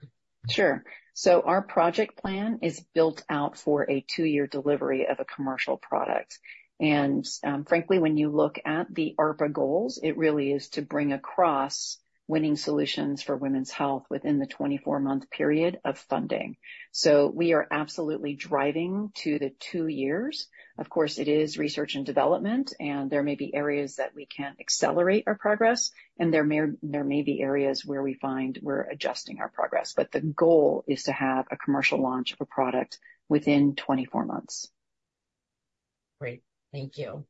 Sure. So our project plan is built out for a two-year delivery of a commercial product. Frankly, when you look at the ARPA goals, it really is to bring across winning solutions for women's health within the 24-month period of funding. We are absolutely driving to the two years. Of course, it is research and development, and there may be areas that we can accelerate our progress, and there may be areas where we find we're adjusting our progress. But the goal is to have a commercial launch of a product within 24 months.
Great. Thank you.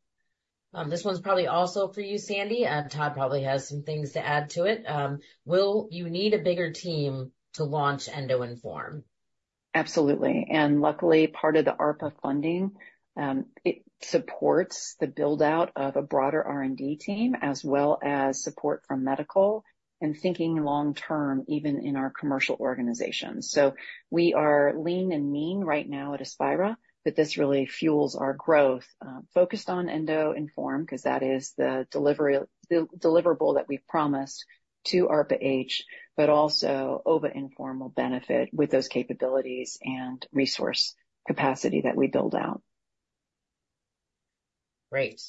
This one's probably also for you, Sandy. Todd probably has some things to add to it. Will you need a bigger team to launch EndoInform?
Absolutely. And luckily, part of the ARPA funding, it supports the buildout of a broader R&D team as well as support from medical and thinking long-term, even in our commercial organizations. So we are lean and mean right now at Aspira, but this really fuels our growth focused on EndoInform because that is the deliverable that we've promised to ARPA-H, but also OvaInform will benefit with those capabilities and resource capacity that we build out.
Great.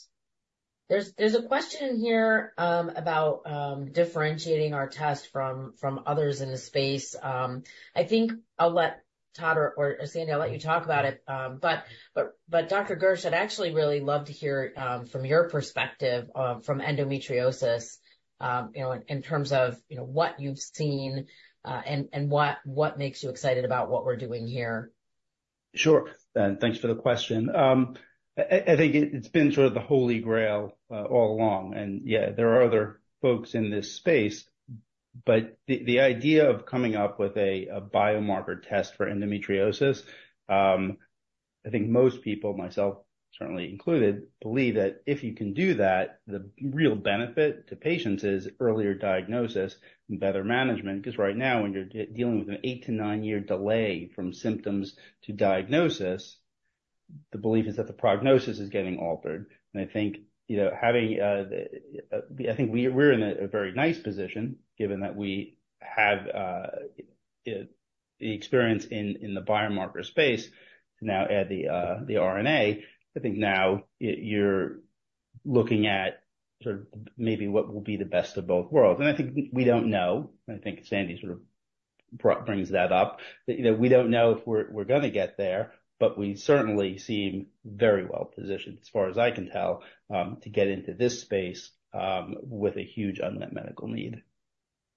There's a question here about differentiating our test from others in the space. I think I'll let Todd or Sandy, I'll let you talk about it. But Dr. Gersch, I'd actually really love to hear from your perspective from endometriosis in terms of what you've seen and what makes you excited about what we're doing here.
Sure. And thanks for the question. I think it's been sort of the holy grail all along. And yeah, there are other folks in this space, but the idea of coming up with a biomarker test for endometriosis. I think most people, myself certainly included, believe that if you can do that, the real benefit to patients is earlier diagnosis and better management. Because right now, when you're dealing with an eight- to nine-year delay from symptoms to diagnosis, the belief is that the prognosis is getting altered. I think we're in a very nice position given that we have the experience in the biomarker space to now add the RNA. I think now you're looking at sort of maybe what will be the best of both worlds. I think we don't know. I think Sandy sort of brings that up. We don't know if we're going to get there, but we certainly seem very well positioned, as far as I can tell, to get into this space with a huge unmet medical need.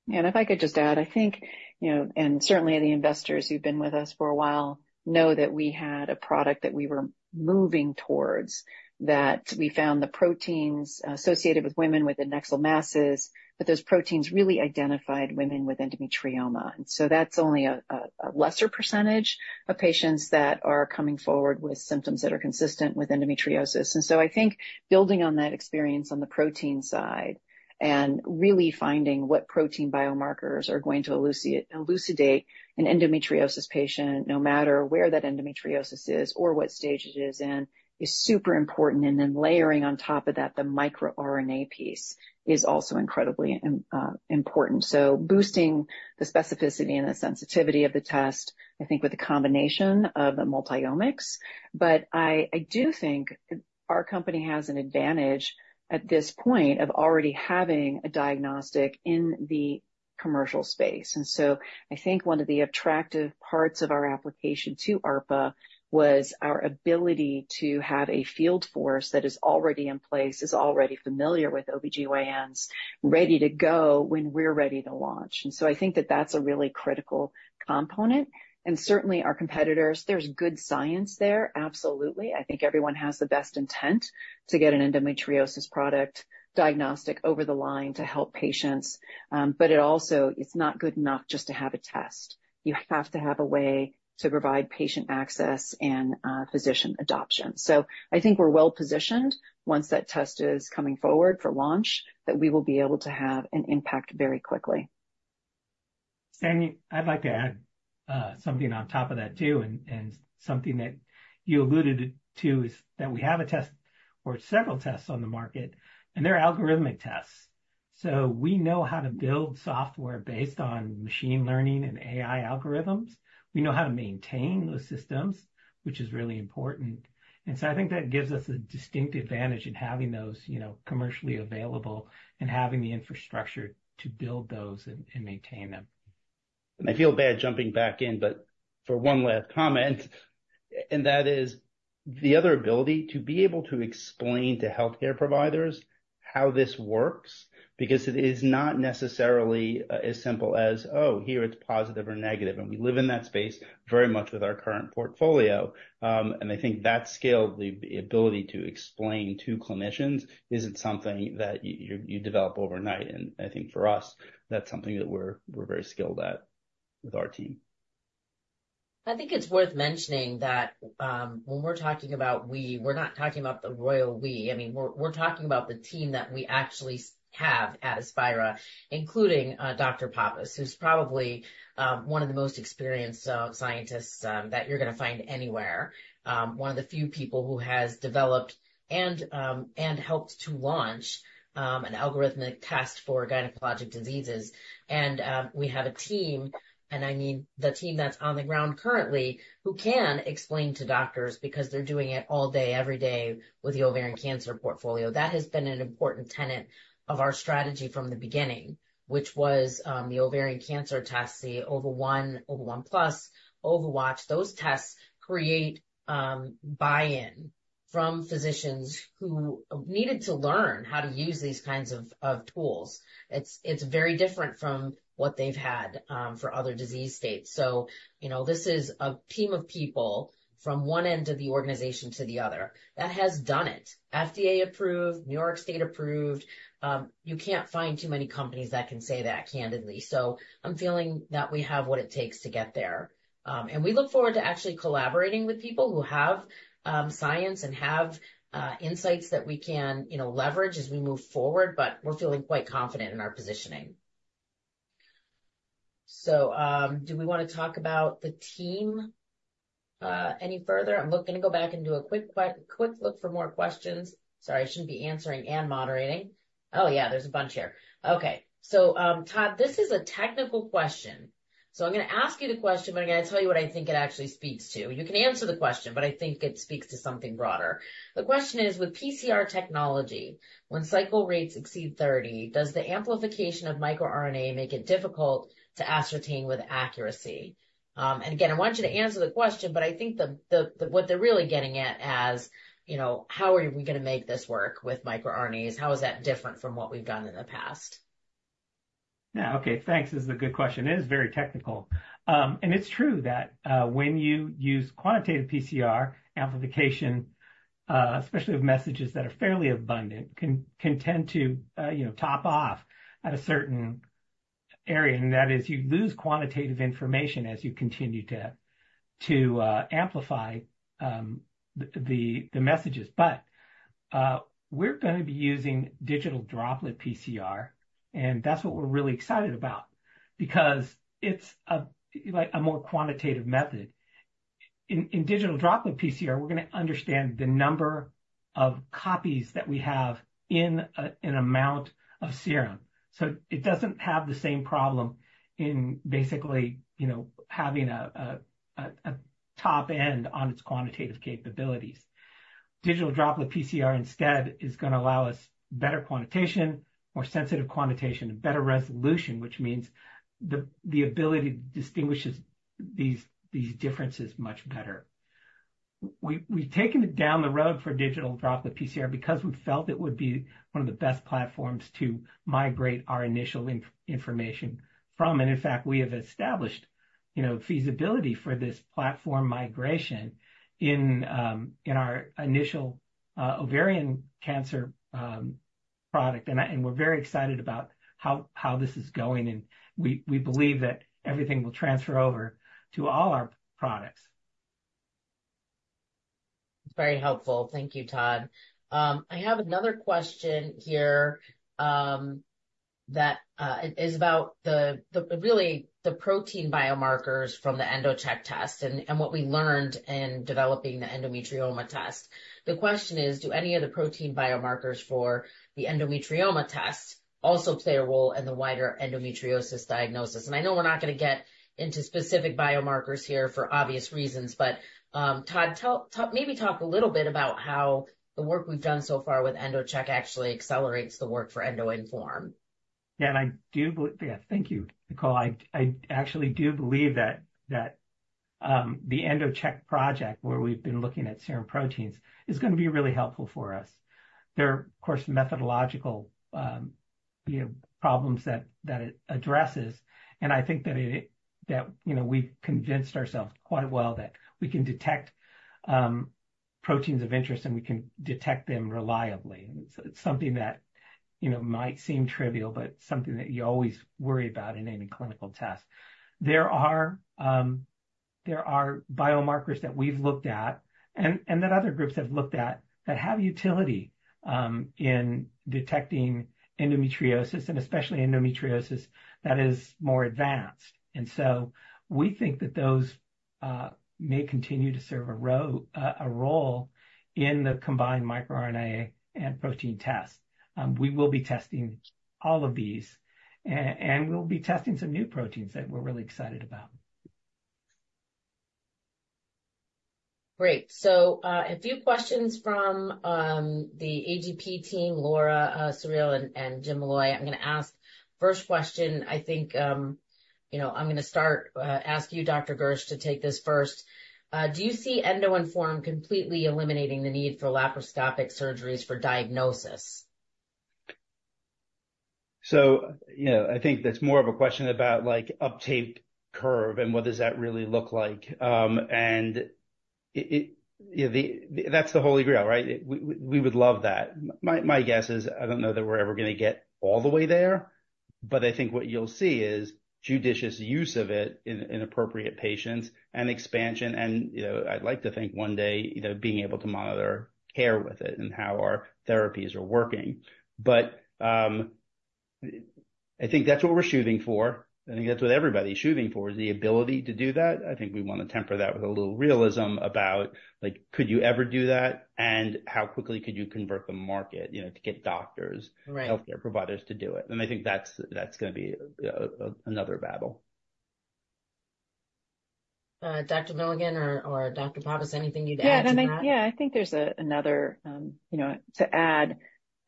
Yeah. And if I could just add, I think, and certainly the investors who've been with us for a while know that we had a product that we were moving towards that we found the proteins associated with women with adnexal masses, but those proteins really identified women with endometrioma. And so that's only a lesser percentage of patients that are coming forward with symptoms that are consistent with endometriosis. And so I think building on that experience on the protein side and really finding what protein biomarkers are going to elucidate an endometriosis patient, no matter where that endometriosis is or what stage it is in, is super important. And then layering on top of that, the microRNA piece is also incredibly important. So boosting the specificity and the sensitivity of the test, I think with the combination of the multi-omics. But I do think our company has an advantage at this point of already having a diagnostic in the commercial space. And so I think one of the attractive parts of our application to ARPA was our ability to have a field force that is already in place, is already familiar with OBGYNs, ready to go when we're ready to launch. And so I think that that's a really critical component. And certainly our competitors, there's good science there, absolutely. I think everyone has the best intent to get an endometriosis product diagnostic over the line to help patients. But it also, it's not good enough just to have a test. You have to have a way to provide patient access and physician adoption. So I think we're well positioned once that test is coming forward for launch that we will be able to have an impact very quickly.
Sandy, I'd like to add something on top of that too. And something that you alluded to is that we have a test or several tests on the market, and they're algorithmic tests. So we know how to build software based on machine learning and AI algorithms. We know how to maintain those systems, which is really important. And so I think that gives us a distinct advantage in having those commercially available and having the infrastructure to build those and maintain them. And I feel bad jumping back in, but for one last comment, and that is the other ability to be able to explain to healthcare providers how this works because it is not necessarily as simple as, "Oh, here it's positive or negative." And we live in that space very much with our current portfolio. And I think that scale, the ability to explain to clinicians isn't something that you develop overnight. And I think for us, that's something that we're very skilled at with our team.
I think it's worth mentioning that when we're talking about we, we're not talking about the royal we. I mean, we're talking about the team that we actually have at Aspira, including Dr. Pappas, who's probably one of the most experienced scientists that you're going to find anywhere. One of the few people who has developed and helped to launch an algorithmic test for gynecologic diseases. And we have a team, and I mean the team that's on the ground currently who can explain to doctors because they're doing it all day, every day with the ovarian cancer portfolio. That has been an important tenet of our strategy from the beginning, which was the ovarian cancer tests, the Ova1, Ova1Plus, OvaWatch. Those tests create buy-in from physicians who needed to learn how to use these kinds of tools. It's very different from what they've had for other disease states. So this is a team of people from one end of the organization to the other that has done it. FDA approved, New York State approved. You can't find too many companies that can say that candidly. I'm feeling that we have what it takes to get there. And we look forward to actually collaborating with people who have science and have insights that we can leverage as we move forward, but we're feeling quite confident in our positioning.
So do we want to talk about the team any further? I'm going to go back and do a quick look for more questions. Sorry, I shouldn't be answering and moderating. Oh yeah, there's a bunch here. Okay. So Todd, this is a technical question. So I'm going to ask you the question, but I'm going to tell you what I think it actually speaks to. You can answer the question, but I think it speaks to something broader. The question is, with PCR technology, when cycle rates exceed 30, does the amplification of microRNA make it difficult to ascertain with accuracy? And again, I want you to answer the question, but I think what they're really getting at is, how are we going to make this work with microRNAs? How is that different from what we've done in the past?
Yeah. Okay. Thanks. This is a good question. It is very technical. And it's true that when you use quantitative PCR amplification, especially with messages that are fairly abundant, can tend to top off at a certain area. And that is you lose quantitative information as you continue to amplify the messages. But we're going to be using digital droplet PCR, and that's what we're really excited about because it's a more quantitative method. In digital droplet PCR, we're going to understand the number of copies that we have in an amount of serum. So it doesn't have the same problem in basically having a top end on its quantitative capabilities. Digital Droplet PCR instead is going to allow us better quantitation, more sensitive quantitation, and better resolution, which means the ability to distinguish these differences much better. We've taken it down the road for Digital Droplet PCR because we felt it would be one of the best platforms to migrate our initial information from. And in fact, we have established feasibility for this platform migration in our initial ovarian cancer product. And we're very excited about how this is going. And we believe that everything will transfer over to all our products.
It's very helpful. Thank you, Todd. I have another question here that is about really the protein biomarkers from the EndoCheck test and what we learned in developing the endometrioma test. The question is, do any of the protein biomarkers for the endometrioma test also play a role in the wider endometriosis diagnosis? And I know we're not going to get into specific biomarkers here for obvious reasons, but Todd, maybe talk a little bit about how the work we've done so far with EndoCheck actually accelerates the work for EndoInform.
Yeah. And I do believe, yeah, thank you, Nicole. I actually do believe that the EndoCheck project where we've been looking at serum proteins is going to be really helpful for us. There are, of course, methodological problems that it addresses. And I think that we've convinced ourselves quite well that we can detect proteins of interest and we can detect them reliably. And it's something that might seem trivial, but something that you always worry about in any clinical test. There are biomarkers that we've looked at and that other groups have looked at that have utility in detecting endometriosis and especially endometriosis that is more advanced. And so we think that those may continue to serve a role in the combined microRNA and protein test. We will be testing all of these, and we'll be testing some new proteins that we're really excited about.
Great. So a few questions from the AGP team, Laura Suriel and Jim Molloy. I'm going to ask first question. I think I'm going to start asking you, Dr. Gersch, to take this first. Do you see EndoInform completely eliminating the need for laparoscopic surgeries for diagnosis?
So I think that's more of a question about uptake curve and what does that really look like. And that's the holy grail, right? We would love that. My guess is I don't know that we're ever going to get all the way there, but I think what you'll see is judicious use of it in appropriate patients and expansion. And I'd like to think one day being able to monitor care with it and how our therapies are working. But I think that's what we're shooting for. I think that's what everybody's shooting for is the ability to do that. I think we want to temper that with a little realism about, could you ever do that? And how quickly could you convert the market to get doctors, healthcare providers to do it? And I think that's going to be another battle.
Dr. Milligan or Dr. Pappas, anything you'd add to that?
Yeah. And I think there's another to add.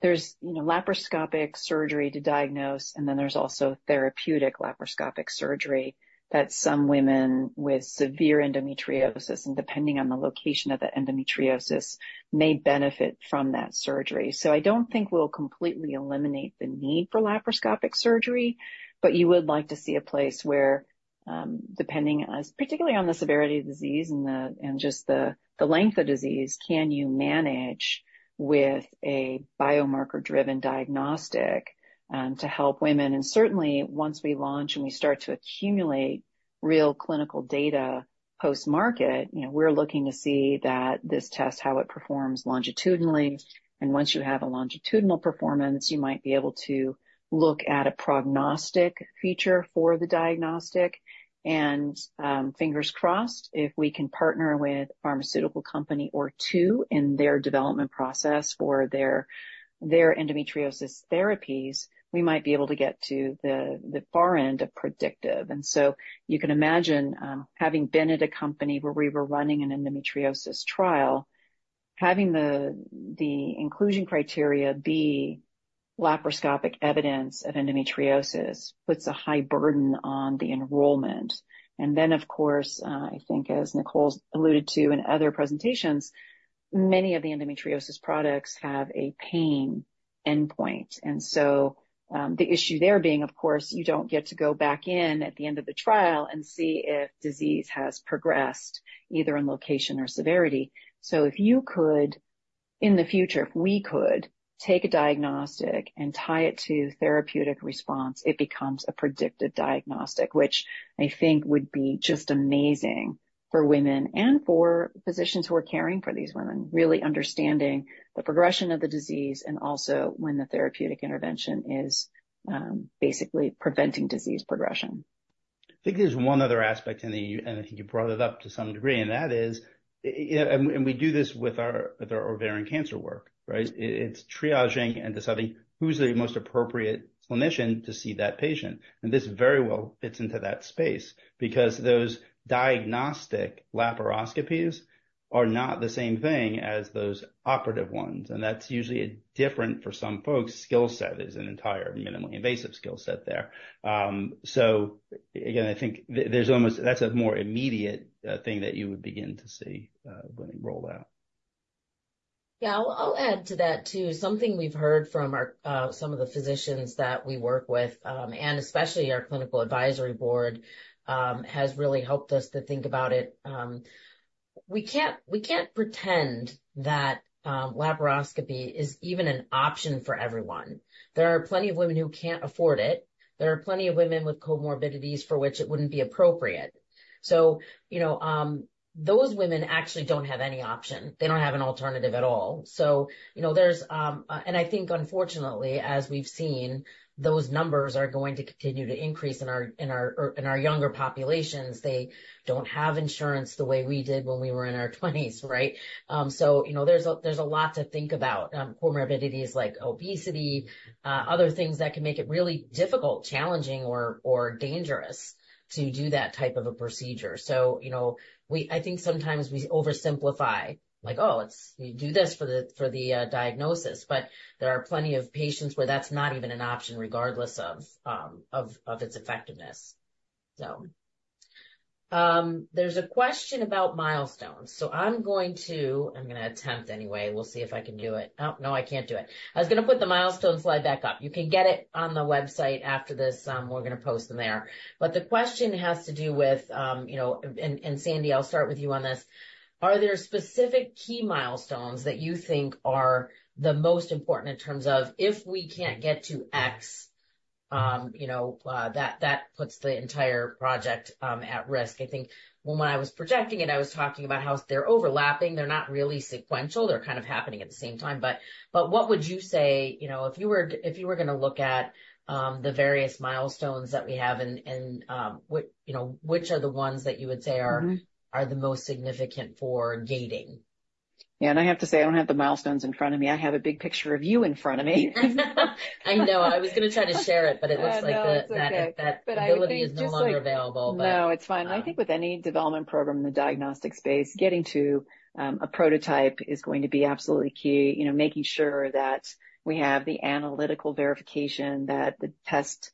There's laparoscopic surgery to diagnose, and then there's also therapeutic laparoscopic surgery that some women with severe endometriosis, and depending on the location of the endometriosis, may benefit from that surgery. So I don't think we'll completely eliminate the need for laparoscopic surgery, but you would like to see a place where, particularly on the severity of the disease and just the length of disease, can you manage with a biomarker-driven diagnostic to help women? And certainly, once we launch and we start to accumulate real clinical data post-market, we're looking to see that this test, how it performs longitudinally. And once you have a longitudinal performance, you might be able to look at a prognostic feature for the diagnostic. And fingers crossed, if we can partner with a pharmaceutical company or two in their development process for their endometriosis therapies, we might be able to get to the far end of predictive. And so you can imagine, having been at a company where we were running an endometriosis trial, having the inclusion criteria be laparoscopic evidence of endometriosis puts a high burden on the enrollment. And then, of course, I think as Nicole alluded to in other presentations, many of the endometriosis products have a pain endpoint. And so the issue there being, of course, you don't get to go back in at the end of the trial and see if disease has progressed either in location or severity. So if you could, in the future, if we could take a diagnostic and tie it to therapeutic response, it becomes a predictive diagnostic, which I think would be just amazing for women and for physicians who are caring for these women, really understanding the progression of the disease and also when the therapeutic intervention is basically preventing disease progression.
I think there's one other aspect, and I think you brought it up to some degree, and that is, and we do this with our ovarian cancer work, right? It's triaging and deciding who's the most appropriate clinician to see that patient. And this very well fits into that space because those diagnostic laparoscopies are not the same thing as those operative ones. And that's usually a different for some folks' skill set is an entire minimally invasive skill set there. So again, I think that's a more immediate thing that you would begin to see when it rolls out.
Yeah. I'll add to that too. Something we've heard from some of the physicians that we work with, and especially our clinical advisory board, has really helped us to think about it. We can't pretend that laparoscopy is even an option for everyone. There are plenty of women who can't afford it. There are plenty of women with comorbidities for which it wouldn't be appropriate. Those women actually don't have any option. They don't have an alternative at all. I think, unfortunately, as we've seen, those numbers are going to continue to increase in our younger populations. They don't have insurance the way we did when we were in our 20s, right? There's a lot to think about: comorbidities like obesity, other things that can make it really difficult, challenging, or dangerous to do that type of a procedure. I think sometimes we oversimplify, like, "Oh, we do this for the diagnosis." There are plenty of patients where that's not even an option regardless of its effectiveness.
There's a question about milestones. I'm going to attempt anyway. We'll see if I can do it. Oh, no, I can't do it. I was going to put the milestone slide back up. You can get it on the website after this. We're going to post them there. But the question has to do with, and Sandy, I'll start with you on this, are there specific key milestones that you think are the most important in terms of if we can't get to X, that puts the entire project at risk? I think when I was projecting it, I was talking about how they're overlapping. They're not really sequential. They're kind of happening at the same time. But what would you say if you were going to look at the various milestones that we have and which are the ones that you would say are the most significant for gating?
Yeah. And I have to say, I don't have the milestones in front of me. I have a big picture of you in front of me.
I know. I was going to try to share it, but it looks like that ability is no longer available.
No, it's fine. I think with any development program in the diagnostic space, getting to a prototype is going to be absolutely key, making sure that we have the analytical verification, that the test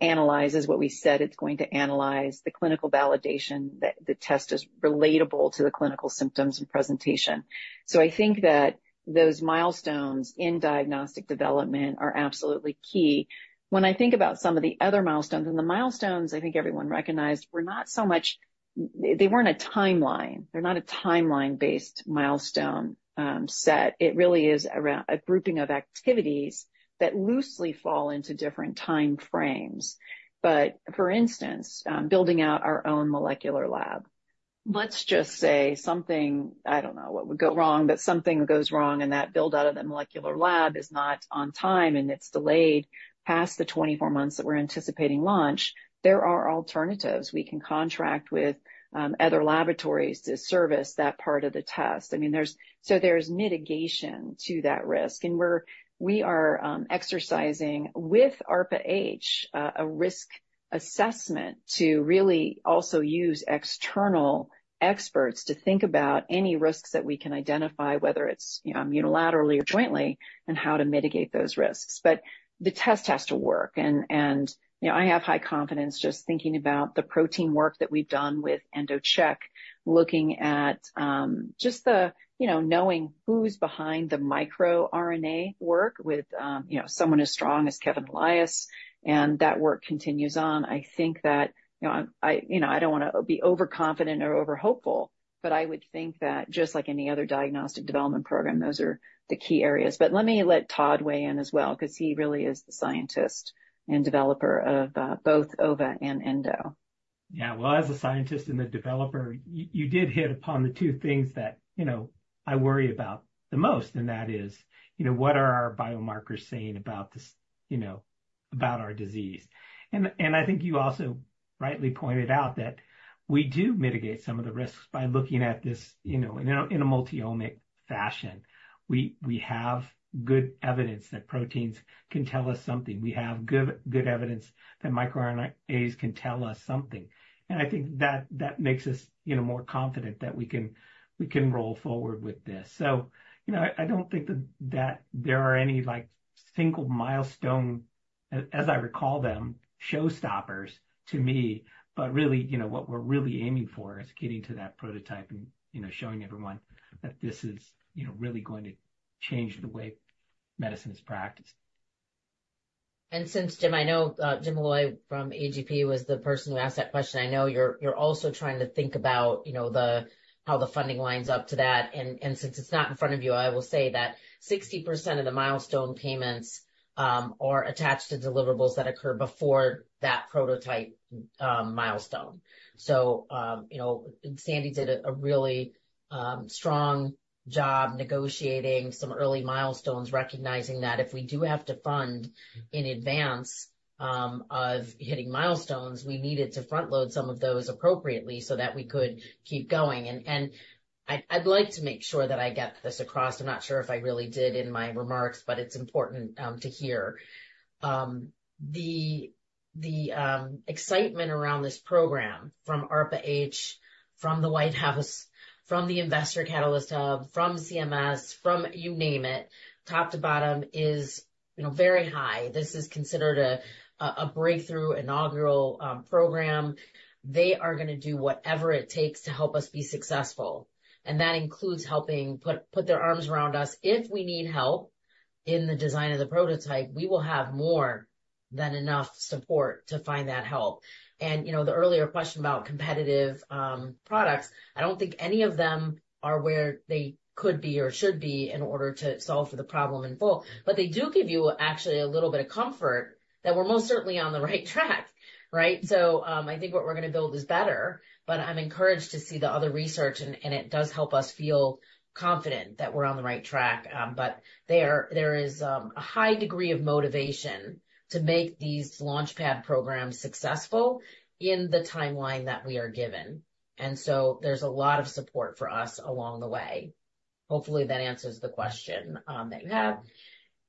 analyzes what we said it's going to analyze, the clinical validation, that the test is relatable to the clinical symptoms and presentation. So I think that those milestones in diagnostic development are absolutely key. When I think about some of the other milestones, and the milestones I think everyone recognized, they weren't a timeline. They're not a timeline-based milestone set. It really is a grouping of activities that loosely fall into different time frames. But for instance, building out our own molecular lab, let's just say something—I don't know what would go wrong—but something goes wrong and that build-out of the molecular lab is not on time and it's delayed past the 24 months that we're anticipating launch, there are alternatives. We can contract with other laboratories to service that part of the test. I mean, so there's mitigation to that risk. And we are exercising with ARPA-H a risk assessment to really also use external experts to think about any risks that we can identify, whether it's unilaterally or jointly, and how to mitigate those risks. But the test has to work. And I have high confidence just thinking about the protein work that we've done with EndoCheck, looking at just knowing who's behind the microRNA work with someone as strong as Kevin Elias. And that work continues on. I think that I don't want to be overconfident or overhopeful, but I would think that just like any other diagnostic development program, those are the key areas. But let me let Todd weigh in as well because he really is the scientist and developer of both OVA and Endo.
Yeah. Well, as a scientist and a developer, you did hit upon the two things that I worry about the most, and that is, what are our biomarkers saying about our disease? And I think you also rightly pointed out that we do mitigate some of the risks by looking at this in a multi-omic fashion. We have good evidence that proteins can tell us something. We have good evidence that microRNAs can tell us something. And I think that makes us more confident that we can roll forward with this. I don't think that there are any single milestone, as I recall them, showstoppers to me. But really, what we're really aiming for is getting to that prototype and showing everyone that this is really going to change the way medicine is practiced.
And since Jim, I know Jim Malloy from AGP was the person who asked that question, I know you're also trying to think about how the funding lines up to that. And since it's not in front of you, I will say that 60% of the milestone payments are attached to deliverables that occur before that prototype milestone. So Sandy did a really strong job negotiating some early milestones, recognizing that if we do have to fund in advance of hitting milestones, we needed to front-load some of those appropriately so that we could keep going. And I'd like to make sure that I get this across. I'm not sure if I really did in my remarks, but it's important to hear. The excitement around this program from ARPA-H, from the White House, from the Investor Catalyst Hub, from CMS, from you name it, top to bottom is very high. This is considered a breakthrough inaugural program. They are going to do whatever it takes to help us be successful. And that includes helping put their arms around us. If we need help in the design of the prototype, we will have more than enough support to find that help. And the earlier question about competitive products, I don't think any of them are where they could be or should be in order to solve for the problem in full. But they do give you actually a little bit of comfort that we're most certainly on the right track, right? So I think what we're going to build is better, but I'm encouraged to see the other research, and it does help us feel confident that we're on the right track. But there is a high degree of motivation to make these launchpad programs successful in the timeline that we are given. And so there's a lot of support for us along the way. Hopefully, that answers the question that you have.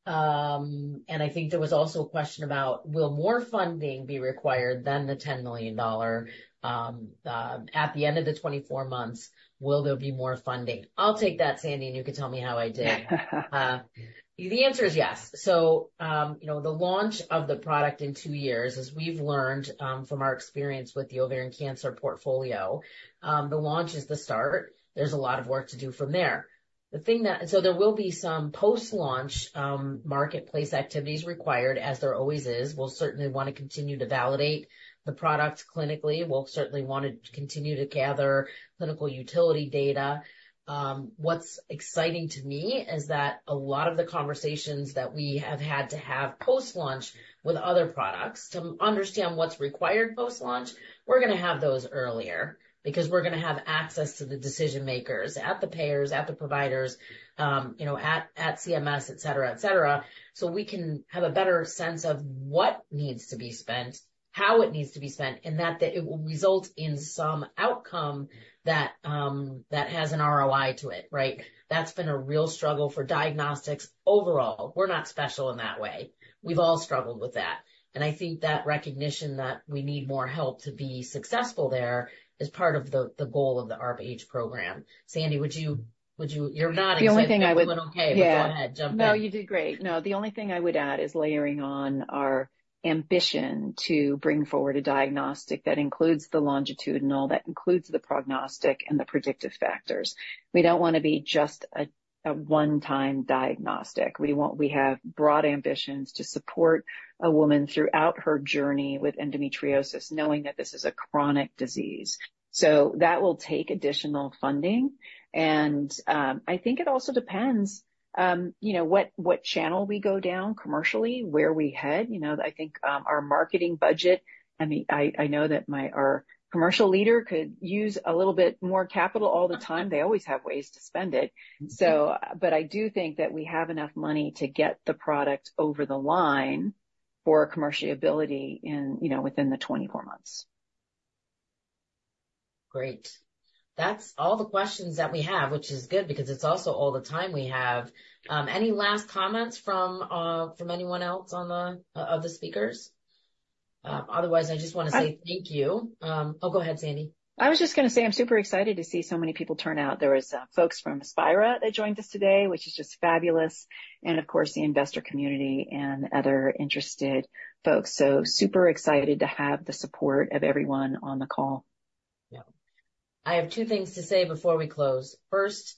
And I think there was also a question about, will more funding be required than the $10 million? At the end of the 24 months, will there be more funding? I'll take that, Sandy, and you can tell me how I did. The answer is yes. So the launch of the product in two years, as we've learned from our experience with the ovarian cancer portfolio, the launch is the start. There's a lot of work to do from there. So there will be some post-launch marketplace activities required, as there always is. We'll certainly want to continue to validate the product clinically. We'll certainly want to continue to gather clinical utility data. What's exciting to me is that a lot of the conversations that we have had to have post-launch with other products to understand what's required post-launch, we're going to have those earlier because we're going to have access to the decision-makers at the payers, at the providers, at CMS, etc., etc. So we can have a better sense of what needs to be spent, how it needs to be spent, and that it will result in some outcome that has an ROI to it, right? That's been a real struggle for diagnostics overall. We're not special in that way. We've all struggled with that. And I think that recognition that we need more help to be successful there is part of the goal of the ARPA-H program. Sandy, would you—you're nodding so you're doing okay, but go ahead. Jump in.
No, you did great. No, the only thing I would add is layering on our ambition to bring forward a diagnostic that includes the longitudinal and all that includes the prognostic and the predictive factors. We don't want to be just a one-time diagnostic. We have broad ambitions to support a woman throughout her journey with endometriosis, knowing that this is a chronic disease. So that will take additional funding. And I think it also depends on what channel we go down commercially, where we head. I think our marketing budget, I mean, I know that our commercial leader could use a little bit more capital all the time. They always have ways to spend it. But I do think that we have enough money to get the product over the line for commercial ability within the 24 months.
Great. That's all the questions that we have, which is good because it's also all the time we have. Any last comments from anyone else of the speakers?
Otherwise, I just want to say thank you.
Oh, go ahead, Sandy.
I was just going to say I'm super excited to see so many people turn out. There were folks from Aspira that joined us today, which is just fabulous. And of course, the investor community and other interested folks. So super excited to have the support of everyone on the call.
Yeah. I have two things to say before we close. First,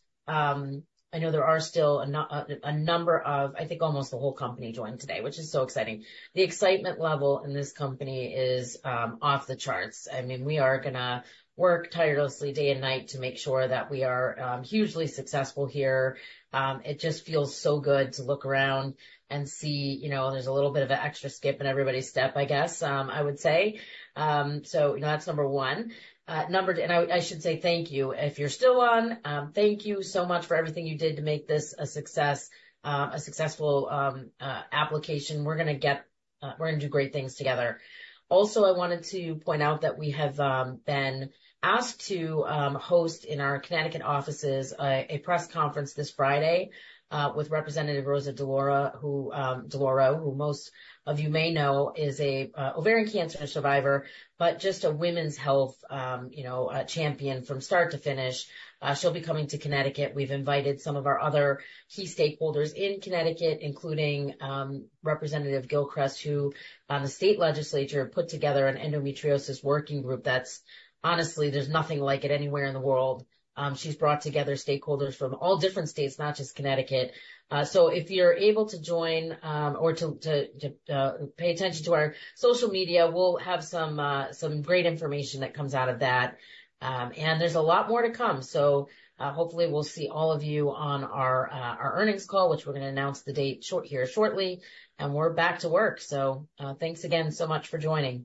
I know there are still a number of, I think almost the whole company joined today, which is so exciting. The excitement level in this company is off the charts. I mean, we are going to work tirelessly day and night to make sure that we are hugely successful here. It just feels so good to look around and see there's a little bit of an extra skip in everybody's step, I guess, I would say. So that's number one. And I should say thank you. If you're still on, thank you so much for everything you did to make this a successful application. We're going to get, we're going to do great things together. Also, I wanted to point out that we have been asked to host in our Connecticut offices a press conference this Friday with Representative Rosa DeLauro, who most of you may know is an ovarian cancer survivor, but just a women's health champion from start to finish. She'll be coming to Connecticut. We've invited some of our other key stakeholders in Connecticut, including Representative Gilchrist, who on the state legislature put together an endometriosis working group that's honestly, there's nothing like it anywhere in the world. She's brought together stakeholders from all different states, not just Connecticut. So if you're able to join or to pay attention to our social media, we'll have some great information that comes out of that. And there's a lot more to come. So hopefully, we'll see all of you on our earnings call, which we're going to announce the date here shortly. And we're back to work. So thanks again so much for joining.